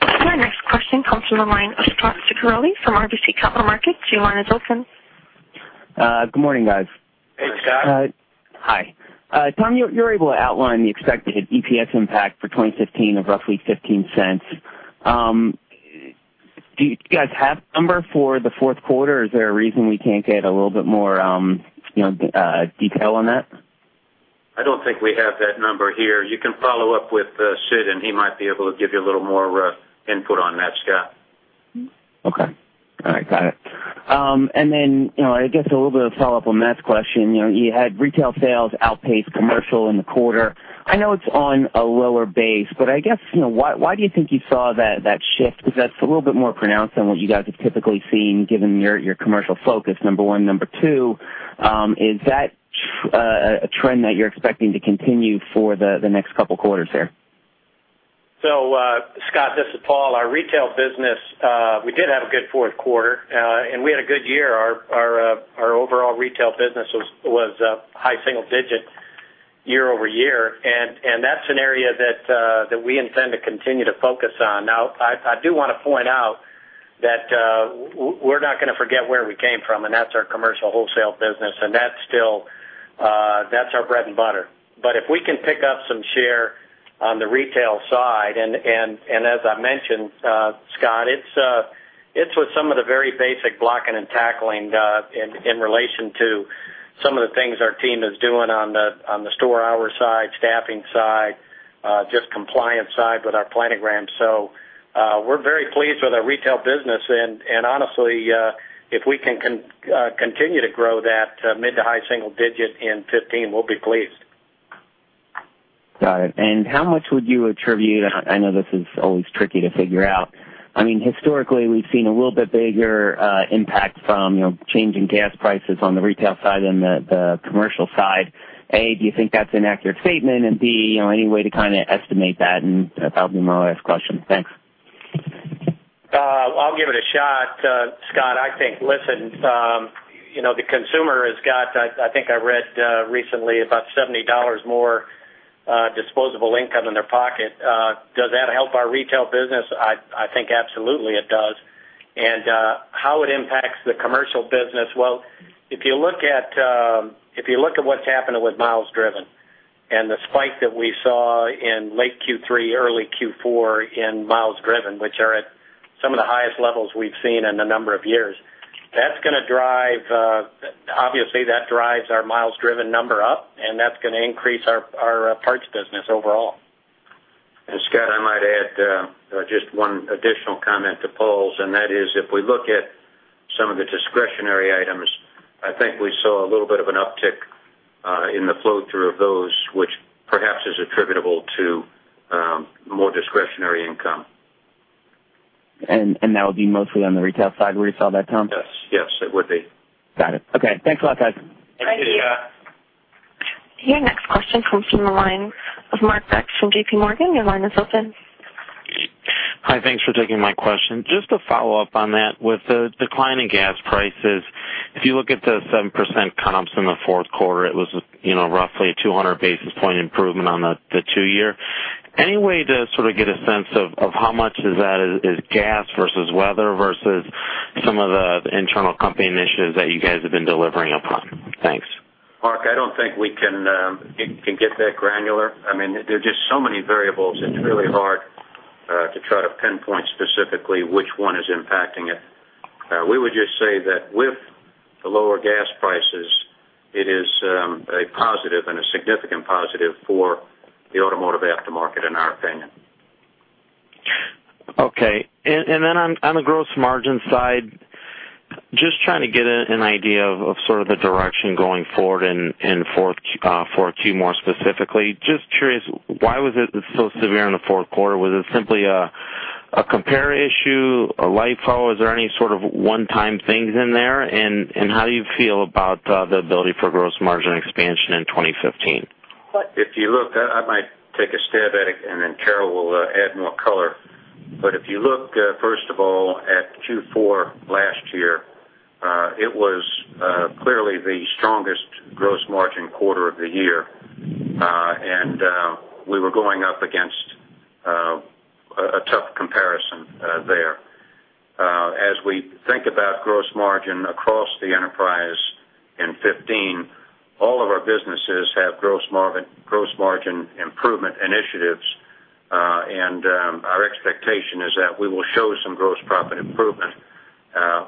Speaker 1: Our next question comes from the line of Scot Ciccarelli from RBC Capital Markets. Your line is open.
Speaker 7: Good morning, guys.
Speaker 4: Hey, Scot.
Speaker 7: Hi. Tom, you are able to outline the expected EPS impact for 2015 of roughly $0.15. Do you guys have a number for the fourth quarter? Is there a reason we cannot get a little bit more detail on that?
Speaker 3: I don't think we have that number here. You can follow up with Sid, and he might be able to give you a little more input on that, Scott.
Speaker 7: Okay. All right, got it. I guess a little bit of follow-up on Matt's question. You had retail sales outpace commercial in the quarter. I know it's on a lower base, I guess, why do you think you saw that shift? That's a little bit more pronounced than what you guys have typically seen given your commercial focus, number one. Number two, is that a trend that you're expecting to continue for the next couple quarters there?
Speaker 4: Scot, this is Paul. Our retail business, we did have a good fourth quarter, and we had a good year. Our overall retail business was high single digits year-over-year, and that's an area that we intend to continue to focus on. I do want to point out that we're not going to forget where we came from, and that's our commercial wholesale business, and that's our bread and butter. If we can pick up some share on the retail side, and as I mentioned, Scot, it's with some of the very basic blocking and tackling in relation to some of the things our team is doing on the store hour side, staffing side, just compliance side with our planogram. We're very pleased with our retail business, and honestly, if we can continue to grow that mid to high single digit in 2015, we'll be pleased.
Speaker 7: Got it. How much would you attribute, I know this is always tricky to figure out. Historically, we've seen a little bit bigger impact from changing gas prices on the retail side than the commercial side. A, do you think that's an accurate statement? B, any way to kind of estimate that? That'll be my last question. Thanks.
Speaker 4: I'll give it a shot, Scot. I think, listen, the consumer has got, I think I read recently, about $70 more disposable income in their pocket. Does that help our retail business? I think absolutely it does. How it impacts the commercial business, well, if you look at what's happening with miles driven and the spike that we saw in late Q3, early Q4 in miles driven, which are at some of the highest levels we've seen in a number of years, obviously that drives our miles driven number up, and that's going to increase our parts business overall.
Speaker 3: Just one additional comment to Paul's. That is if we look at some of the discretionary items, I think we saw a little bit of an uptick in the flow-through of those, which perhaps is attributable to more discretionary income.
Speaker 7: That would be mostly on the retail side where you saw that, Tom?
Speaker 3: Yes. It would be.
Speaker 7: Got it. Okay. Thanks a lot, guys.
Speaker 3: Thank you.
Speaker 1: Your next question comes from the line of Mark Becks from JPMorgan. Your line is open.
Speaker 8: Hi. Thanks for taking my question. Just to follow up on that, with the decline in gas prices, if you look at the 7% comps in the fourth quarter, it was roughly a 200 basis point improvement on the two-year. Any way to sort of get a sense of how much of that is gas versus weather versus some of the internal company initiatives that you guys have been delivering upon? Thanks.
Speaker 3: Mark, I don't think we can get that granular. There are just so many variables. It's really hard to try to pinpoint specifically which one is impacting it. We would just say that with the lower gas prices, it is a positive and a significant positive for the automotive aftermarket in our opinion.
Speaker 8: Okay. Then on the gross margin side, just trying to get an idea of sort of the direction going forward in 4Q more specifically. Just curious, why was it so severe in the fourth quarter? Was it simply a compare issue, a LIFO? Is there any sort of one-time things in there? How do you feel about the ability for gross margin expansion in 2015?
Speaker 3: If you look, I might take a stab at it and then Carol will add more color. If you look, first of all, at Q4 last year, it was clearly the strongest gross margin quarter of the year. We were going up against a tough comparison there. As we think about gross margin across the enterprise in 2015, all of our businesses have gross margin improvement initiatives. Our expectation is that we will show some gross profit improvement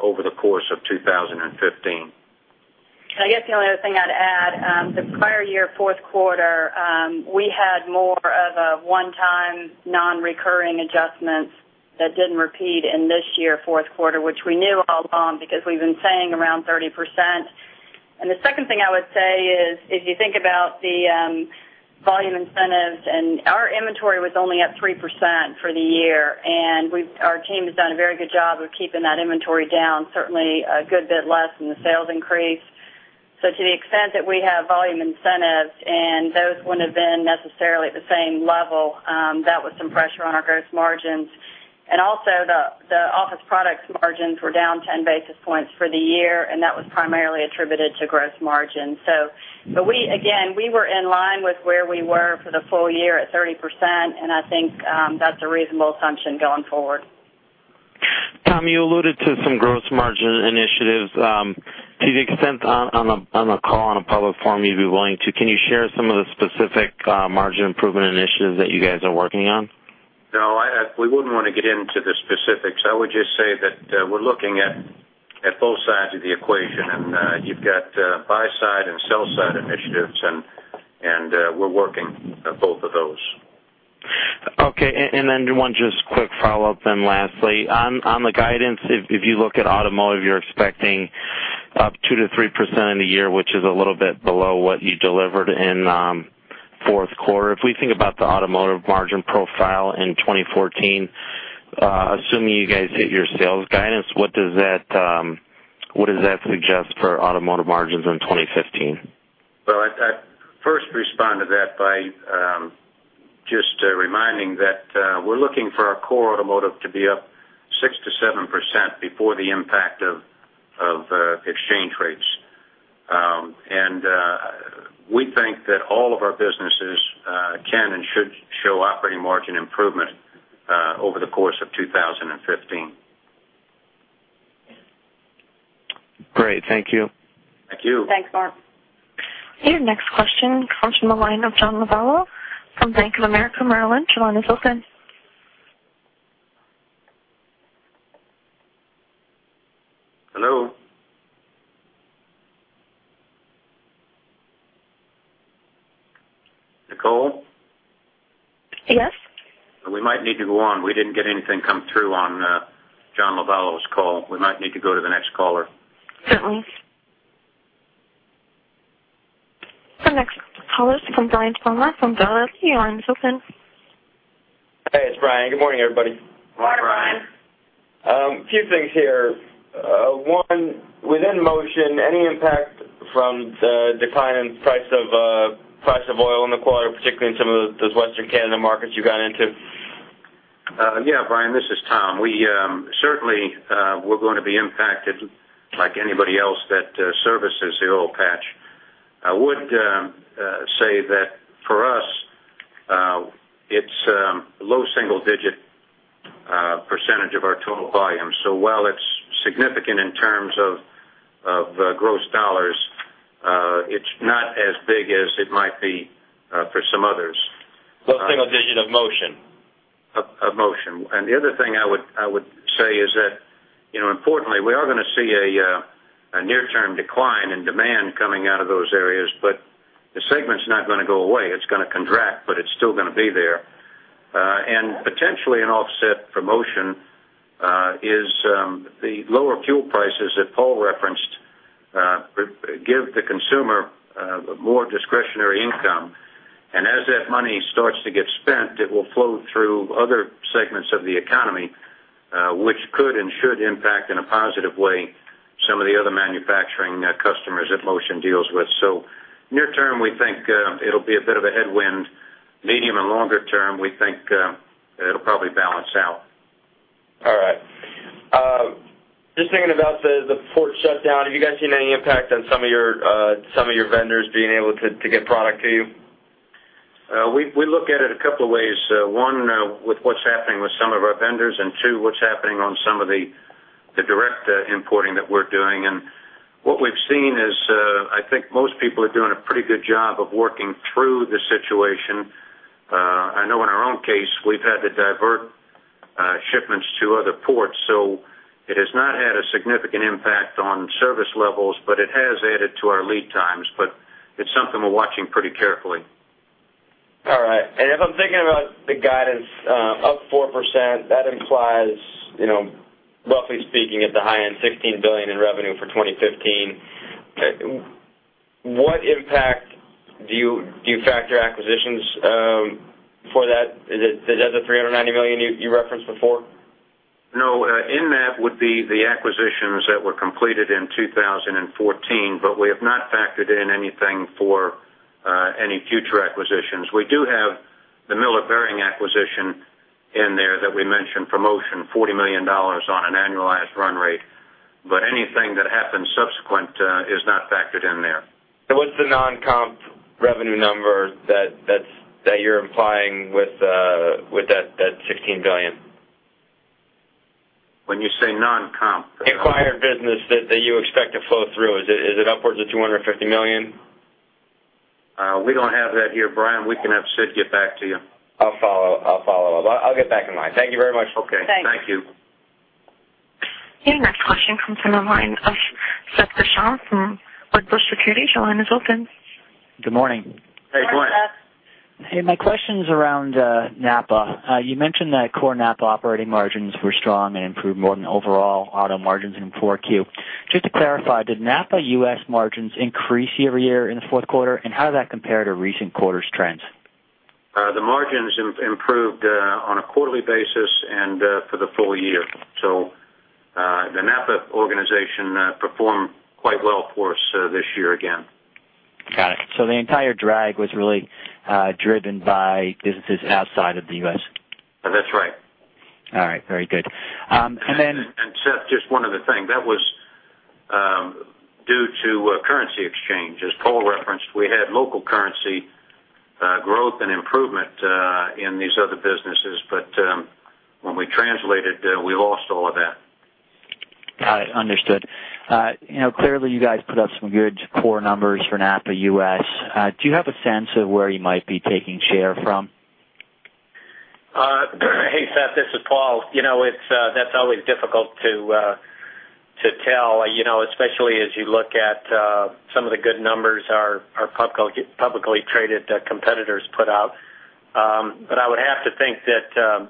Speaker 3: over the course of 2015.
Speaker 5: I guess the only other thing I'd add, the prior year fourth quarter, we had more of a one-time non-recurring adjustments that didn't repeat in this year fourth quarter, which we knew all along because we've been saying around 30%. The second thing I would say is, if you think about the volume incentives and our inventory was only up 3% for the year, and our team has done a very good job of keeping that inventory down, certainly a good bit less than the sales increase. To the extent that we have volume incentives, and those wouldn't have been necessarily at the same level, that was some pressure on our gross margins. Also, the office products margins were down 10 basis points for the year, and that was primarily attributed to gross margin. Again, we were in line with where we were for the full year at 30%, and I think that's a reasonable assumption going forward.
Speaker 8: Tom, you alluded to some gross margin initiatives. To the extent on a call in a public forum you'd be willing to, can you share some of the specific margin improvement initiatives that you guys are working on?
Speaker 3: No, we wouldn't want to get into the specifics. I would just say that we're looking at both sides of the equation, you've got buy-side and sell-side initiatives, we're working both of those.
Speaker 8: One just quick follow-up lastly. On the guidance, if you look at automotive, you're expecting up 2%-3% in the year, which is a little bit below what you delivered in fourth quarter. If we think about the automotive margin profile in 2014, assuming you guys hit your sales guidance, what does that suggest for automotive margins in 2015?
Speaker 3: I'd first respond to that by just reminding that we're looking for our core automotive to be up 6% to 7% before the impact of exchange rates. We think that all of our businesses can and should show operating margin improvement over the course of 2015.
Speaker 8: Great. Thank you.
Speaker 3: Thank you.
Speaker 5: Thanks, Mark.
Speaker 1: Your next question comes from the line of John Lovallo from Bank of America Merrill Lynch. Your line is open.
Speaker 3: Hello? Nicole?
Speaker 1: Yes.
Speaker 3: We might need to go on. We didn't get anything come through on John Lovallo's call. We might need to go to the next caller.
Speaker 1: Certainly. The next caller is from Brian Palmer. Your line is open.
Speaker 9: Hey, it's Brian. Good morning, everybody.
Speaker 3: Hi, Brian.
Speaker 9: A few things here. One, within Motion, any impact from the decline in price of oil in the quarter, particularly in some of those Western Canada markets you got into?
Speaker 3: Yeah, Brian, this is Tom. We certainly are going to be impacted like anybody else that services the oil patch. I would say that for us, it's low single digit percentage of our total volume. While it's significant in terms of gross dollars, it's not as big as it might be for some others.
Speaker 9: Low single digit of Motion.
Speaker 3: Of Motion. The other thing I would say is that importantly, we are going to see a near-term decline in demand coming out of those areas, the segment's not going to go away. It's going to contract, but it's still going to be there. Potentially an offset for Motion is the lower fuel prices that Paul referenced give the consumer more discretionary income. As that money starts to get spent, it will flow through other segments of the economy, which could and should impact, in a positive way, some of the other manufacturing customers that Motion deals with. Near term, we think it'll be a bit of a headwind. Medium and longer term, we think it'll probably balance out.
Speaker 9: All right. Just thinking about the port shutdown, have you guys seen any impact on some of your vendors being able to get product to you?
Speaker 3: We look at it a couple of ways. One, with what's happening with some of our vendors, and two, what's happening on some of the direct importing that we're doing. What we've seen is, I think most people are doing a pretty good job of working through the situation. I know in our own case, we've had to divert shipments to other ports, so it has not had a significant impact on service levels, but it has added to our lead times. It's something we're watching pretty carefully.
Speaker 9: All right. If I'm thinking about the guidance up 4%, that implies roughly speaking at the high end, $16 billion in revenue for 2015. What impact do you factor acquisitions for that? Is it the $390 million you referenced before?
Speaker 3: No, in that would be the acquisitions that were completed in 2014, we have not factored in anything for any future acquisitions. We do have the Miller Bearings acquisition in there that we mentioned for Motion Industries, $40 million on an annualized run rate. Anything that happens subsequent is not factored in there.
Speaker 9: What's the non-comp revenue number that you're implying with that $16 billion?
Speaker 3: When you say non-comp-
Speaker 9: Acquired business that you expect to flow through, is it upwards of $250 million?
Speaker 3: We don't have that here, Brian. We can have Sid get back to you.
Speaker 9: I'll follow up. I'll get back in line. Thank you very much.
Speaker 3: Okay. Thank you.
Speaker 4: Thanks.
Speaker 1: Your next question comes from the line of Seth Rashbaum from Rodman & Renshaw. Your line is open.
Speaker 10: Good morning.
Speaker 3: Hey, good morning.
Speaker 4: Good morning, Seth.
Speaker 10: Hey, my question's around NAPA. You mentioned that core NAPA operating margins were strong and improved more than overall auto margins in 4Q. Just to clarify, did NAPA U.S. margins increase year-over-year in the fourth quarter, and how did that compare to recent quarters' trends?
Speaker 3: The margins improved on a quarterly basis and for the full year. The NAPA organization performed quite well for us this year again.
Speaker 10: Got it. The entire drag was really driven by businesses outside of the U.S.
Speaker 3: That's right.
Speaker 10: All right, very good.
Speaker 3: Seth, just one other thing. That was due to currency exchange. As Paul referenced, we had local currency growth and improvement in these other businesses. When we translated, we lost all of that.
Speaker 10: Got it, understood. Clearly, you guys put up some good core numbers for NAPA U.S. Do you have a sense of where you might be taking share from?
Speaker 4: Hey, Seth, this is Paul. That's always difficult to tell, especially as you look at some of the good numbers our publicly traded competitors put out. I would have to think that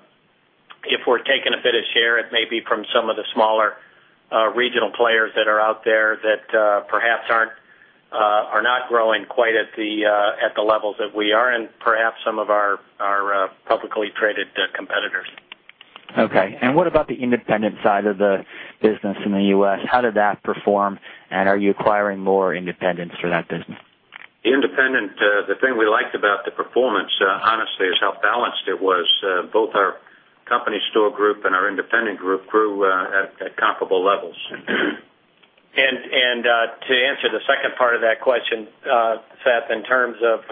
Speaker 4: if we're taking a bit of share, it may be from some of the smaller regional players that are out there that perhaps are not growing quite at the levels that we are and perhaps some of our publicly traded competitors.
Speaker 10: Okay. What about the independent side of the business in the U.S.? How did that perform, are you acquiring more independents for that business?
Speaker 3: The independent, the thing we liked about the performance, honestly, is how balanced it was. Both our company store group and our independent group grew at comparable levels.
Speaker 4: To answer the second part of that question, Seth, in terms of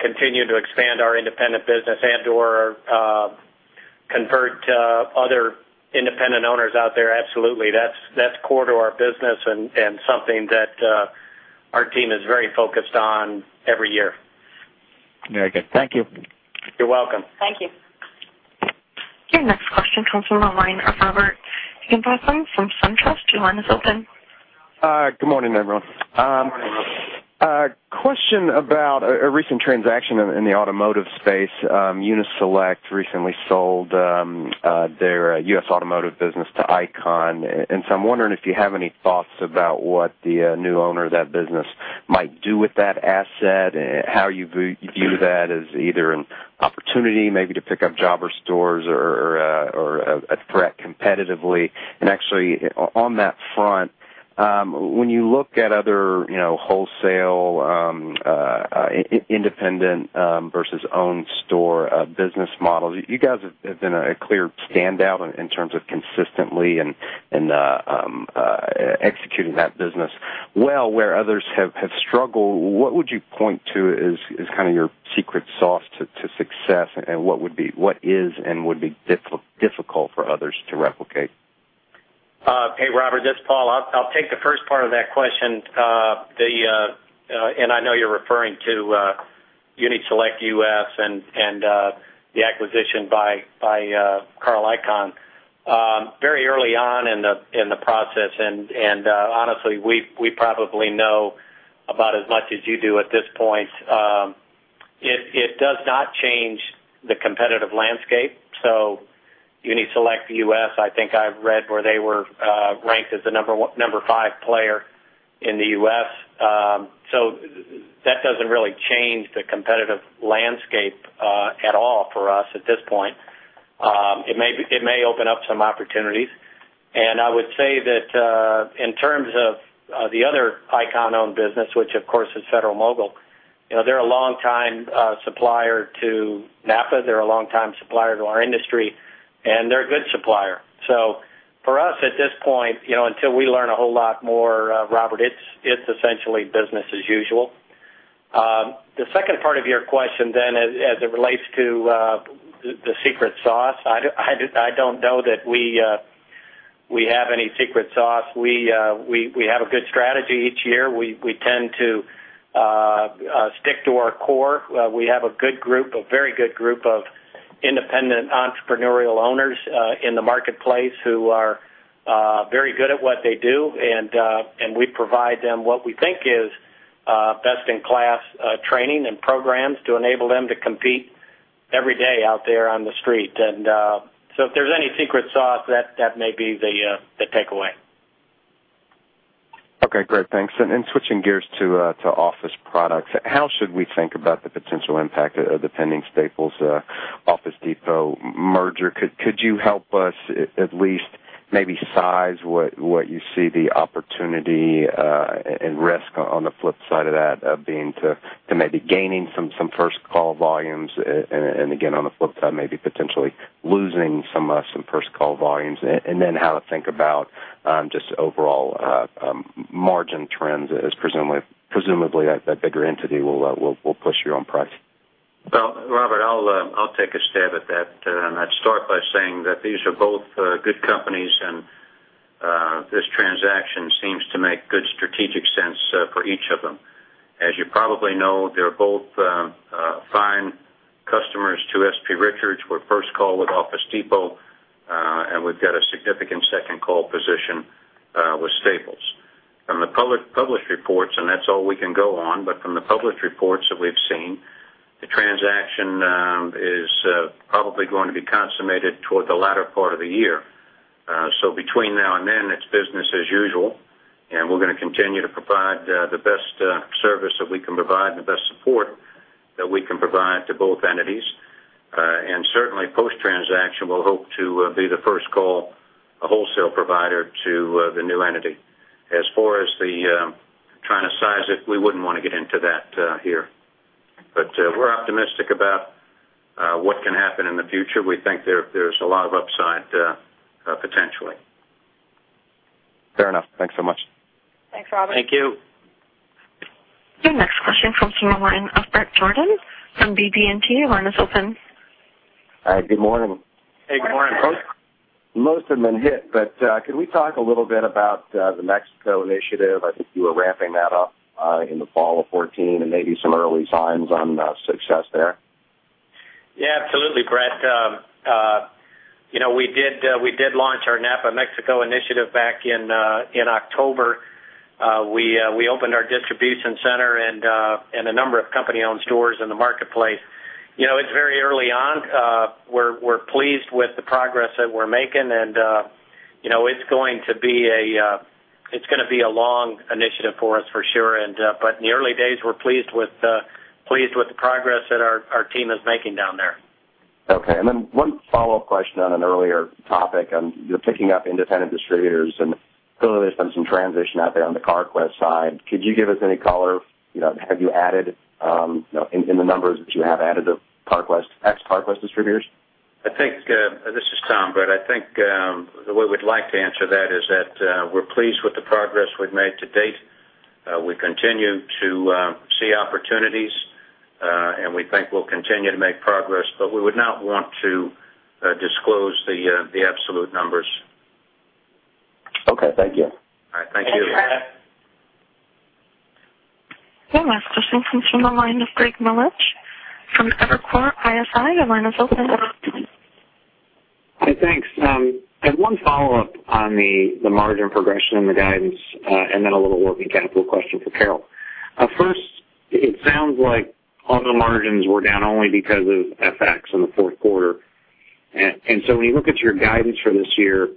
Speaker 4: continuing to expand our independent business and/or convert other independent owners out there, absolutely. That's core to our business and something that our team is very focused on every year.
Speaker 10: Very good. Thank you.
Speaker 4: You're welcome.
Speaker 3: Thank you.
Speaker 1: Your next question comes from the line of Robert Hindeberg from SunTrust. Your line is open.
Speaker 11: Good morning, everyone.
Speaker 3: Good morning, Robert.
Speaker 11: Question about a recent transaction in the automotive space. Uni-Select recently sold their U.S. automotive business to Icahn. I'm wondering if you have any thoughts about what the new owner of that business might do with that asset, how you view that as either an opportunity maybe to pick up jobber stores or a threat competitively. Actually, on that front, when you look at other wholesale independent versus owned store business models, you guys have been a clear standout in terms of consistently and executing that business well where others have struggled. What would you point to as kind of your secret sauce to success, and what is and would be difficult for others to replicate?
Speaker 4: Hey, Robert, this is Paul. I'll take the first part of that question. I know you're referring to Uni-Select U.S. and the acquisition by Carl Icahn. Very early on in the process, and honestly, we probably know about as much as you do at this point. It does not change the competitive landscape. Uni-Select U.S., I think I've read where they were ranked as the number five player in the U.S. That doesn't really change the competitive landscape at all for us at this point. It may open up some opportunities. I would say that, in terms of the other Icahn-owned business, which of course is Federal-Mogul, they're a long-time supplier to NAPA, they're a long-time supplier to our industry, and they're a good supplier. For us, at this point, until we learn a whole lot more, Robert, it's essentially business as usual. The second part of your question, as it relates to the secret sauce, I don't know that we have any secret sauce. We have a good strategy each year. We tend to stick to our core. We have a very good group of independent entrepreneurial owners in the marketplace who are very good at what they do, and we provide them what we think is best-in-class training and programs to enable them to compete every day out there on the street. If there's any secret sauce, that may be the takeaway.
Speaker 11: Okay, great. Thanks. Switching gears to office products, how should we think about the potential impact of the pending Staples-Office Depot merger? Could you help us at least maybe size what you see the opportunity, and risk on the flip side of that, being to maybe gaining some first-call volumes, and again, on the flip side, maybe potentially losing some first-call volumes? Then how to think about just overall margin trends, as presumably that bigger entity will push you on price.
Speaker 3: Well, Robert, I'll take a stab at that. I'd start by saying that these are both good companies, and this transaction seems to make good strategic sense for each of them. As you probably know, they're both fine customers to S.P. Richards. We're first-call with Office Depot, and we've got a significant second-call position with Staples. From the published reports, and that's all we can go on, but from the published reports that we've seen, the transaction is probably going to be consummated toward the latter part of the year. Between now and then, it's business as usual, and we're going to continue to provide the best service that we can provide and the best support that we can provide to both entities. Certainly post-transaction, we'll hope to be the first-call wholesale provider to the new entity. As far as the trying to size it, we wouldn't want to get into that here. We're optimistic about what can happen in the future. We think there's a lot of upside, potentially.
Speaker 11: Fair enough. Thanks so much.
Speaker 4: Thanks, Robert.
Speaker 3: Thank you.
Speaker 1: Your next question comes from the line of Bret Jordan from BB&T. Your line is open.
Speaker 12: Hi. Good morning.
Speaker 3: Hey, good morning, Bret.
Speaker 12: Most have been hit, can we talk a little bit about the Mexico Initiative? I think you were ramping that up in the fall of 2014, maybe some early signs on success there.
Speaker 4: Yeah, absolutely, Bret. We did launch our NAPA Mexico Initiative back in October. We opened our distribution center and a number of company-owned stores in the marketplace. It's very early on. We're pleased with the progress that we're making, it's going to be a long initiative for us for sure, in the early days, we're pleased with the progress that our team is making down there.
Speaker 12: Okay. One follow-up question on an earlier topic. You're picking up independent distributors, clearly there's been some transition out there on the Carquest side. Could you give us any color? Have you added, in the numbers that you have added of ex-Carquest distributors?
Speaker 3: This is Tom. Bret, I think the way we'd like to answer that is that we're pleased with the progress we've made to date. We continue to see opportunities, we think we'll continue to make progress, we would not want to disclose the absolute numbers.
Speaker 12: Okay. Thank you.
Speaker 3: All right. Thank you.
Speaker 4: Thanks, Bret.
Speaker 1: Your next question comes from the line of Greg Melich from Evercore ISI. Your line is open.
Speaker 13: Hi. Thanks. I have one follow-up on the margin progression and the guidance, and then a little working capital question for Carol. First, it sounds like Auto margins were down only because of FX in the fourth quarter. When you look at your guidance for this year,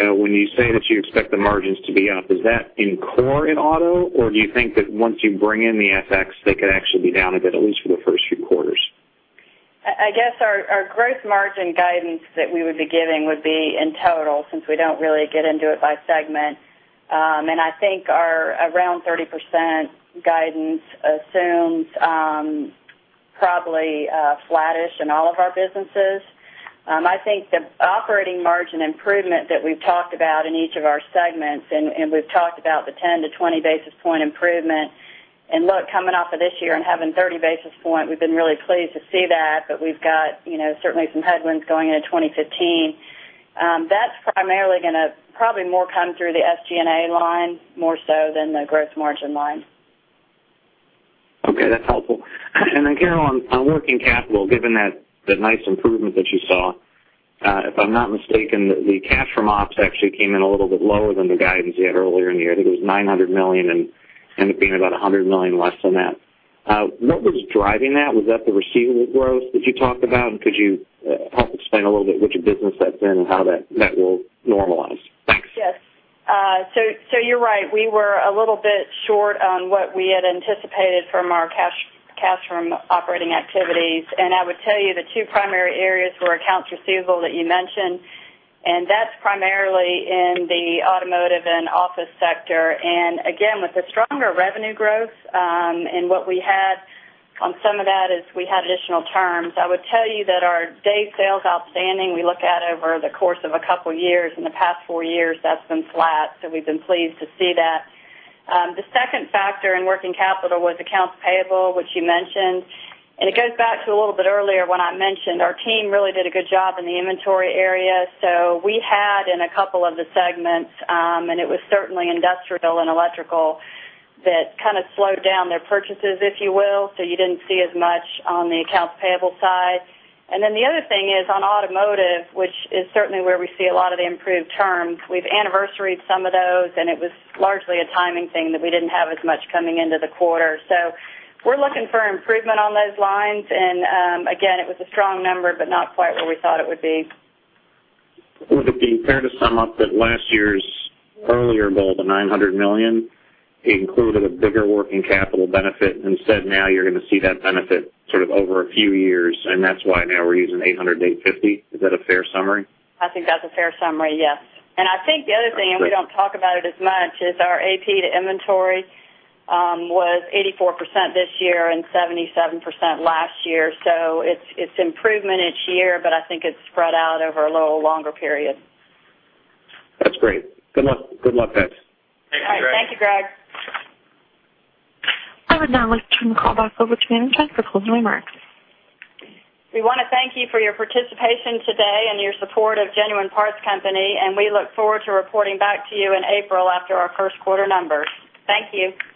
Speaker 13: when you say that you expect the margins to be up, is that in core in Auto, or do you think that once you bring in the FX, they could actually be down a bit, at least for the first few quarters?
Speaker 3: I guess our gross margin guidance that we would be giving would be in total, since we don't really get into it by segment. I think our around 30% guidance assumes probably flattish in all of our businesses. I think the operating margin improvement that we've talked about in each of our segments, and we've talked about the 10 to 20 basis point improvement, and look, coming off of this year and having 30 basis point, we've been really pleased to see that, but we've got certainly some headwinds going into 2015.
Speaker 5: That's primarily going to probably more come through the SG&A line more so than the gross margin line.
Speaker 13: Okay, that's helpful. Carol, on working capital, given that nice improvement that you saw, if I'm not mistaken, the cash from ops actually came in a little bit lower than the guidance you had earlier in the year. I think it was $900 million and ended up being about $100 million less than that. What was driving that? Was that the receivable growth that you talked about? Could you help explain a little bit which business that's in and how that will normalize? Thanks.
Speaker 5: Yes. You're right. We were a little bit short on what we had anticipated from our cash from operating activities. I would tell you the two primary areas were accounts receivable that you mentioned, and that's primarily in the automotive and office sector. Again, with the stronger revenue growth, and what we had on some of that is we had additional terms. I would tell you that our day sales outstanding, we look at over the course of a couple years. In the past four years, that's been flat, so we've been pleased to see that. The second factor in working capital was accounts payable, which you mentioned. It goes back to a little bit earlier when I mentioned our team really did a good job in the inventory area. We had in a couple of the segments, and it was certainly industrial and electrical, that kind of slowed down their purchases, if you will, so you didn't see as much on the accounts payable side. The other thing is on automotive, which is certainly where we see a lot of the improved terms. We've anniversaried some of those, and it was largely a timing thing that we didn't have as much coming into the quarter. We're looking for improvement on those lines. Again, it was a strong number, but not quite where we thought it would be.
Speaker 13: Would it be fair to sum up that last year's earlier goal of $900 million included a bigger working capital benefit? Instead, now you're going to see that benefit sort of over a few years, and that's why now we're using $800 million-$850 million. Is that a fair summary?
Speaker 5: I think that's a fair summary, yes. I think the other thing, and we don't talk about it as much, is our AP to inventory, was 84% this year and 77% last year. It's improvement each year, but I think it's spread out over a little longer period.
Speaker 13: That's great. Good luck. Good luck, guys.
Speaker 5: Thank you, Greg.
Speaker 1: I would now like to turn the call back over to management for closing remarks.
Speaker 5: We want to thank you for your participation today and your support of Genuine Parts Company, and we look forward to reporting back to you in April after our first quarter numbers. Thank you.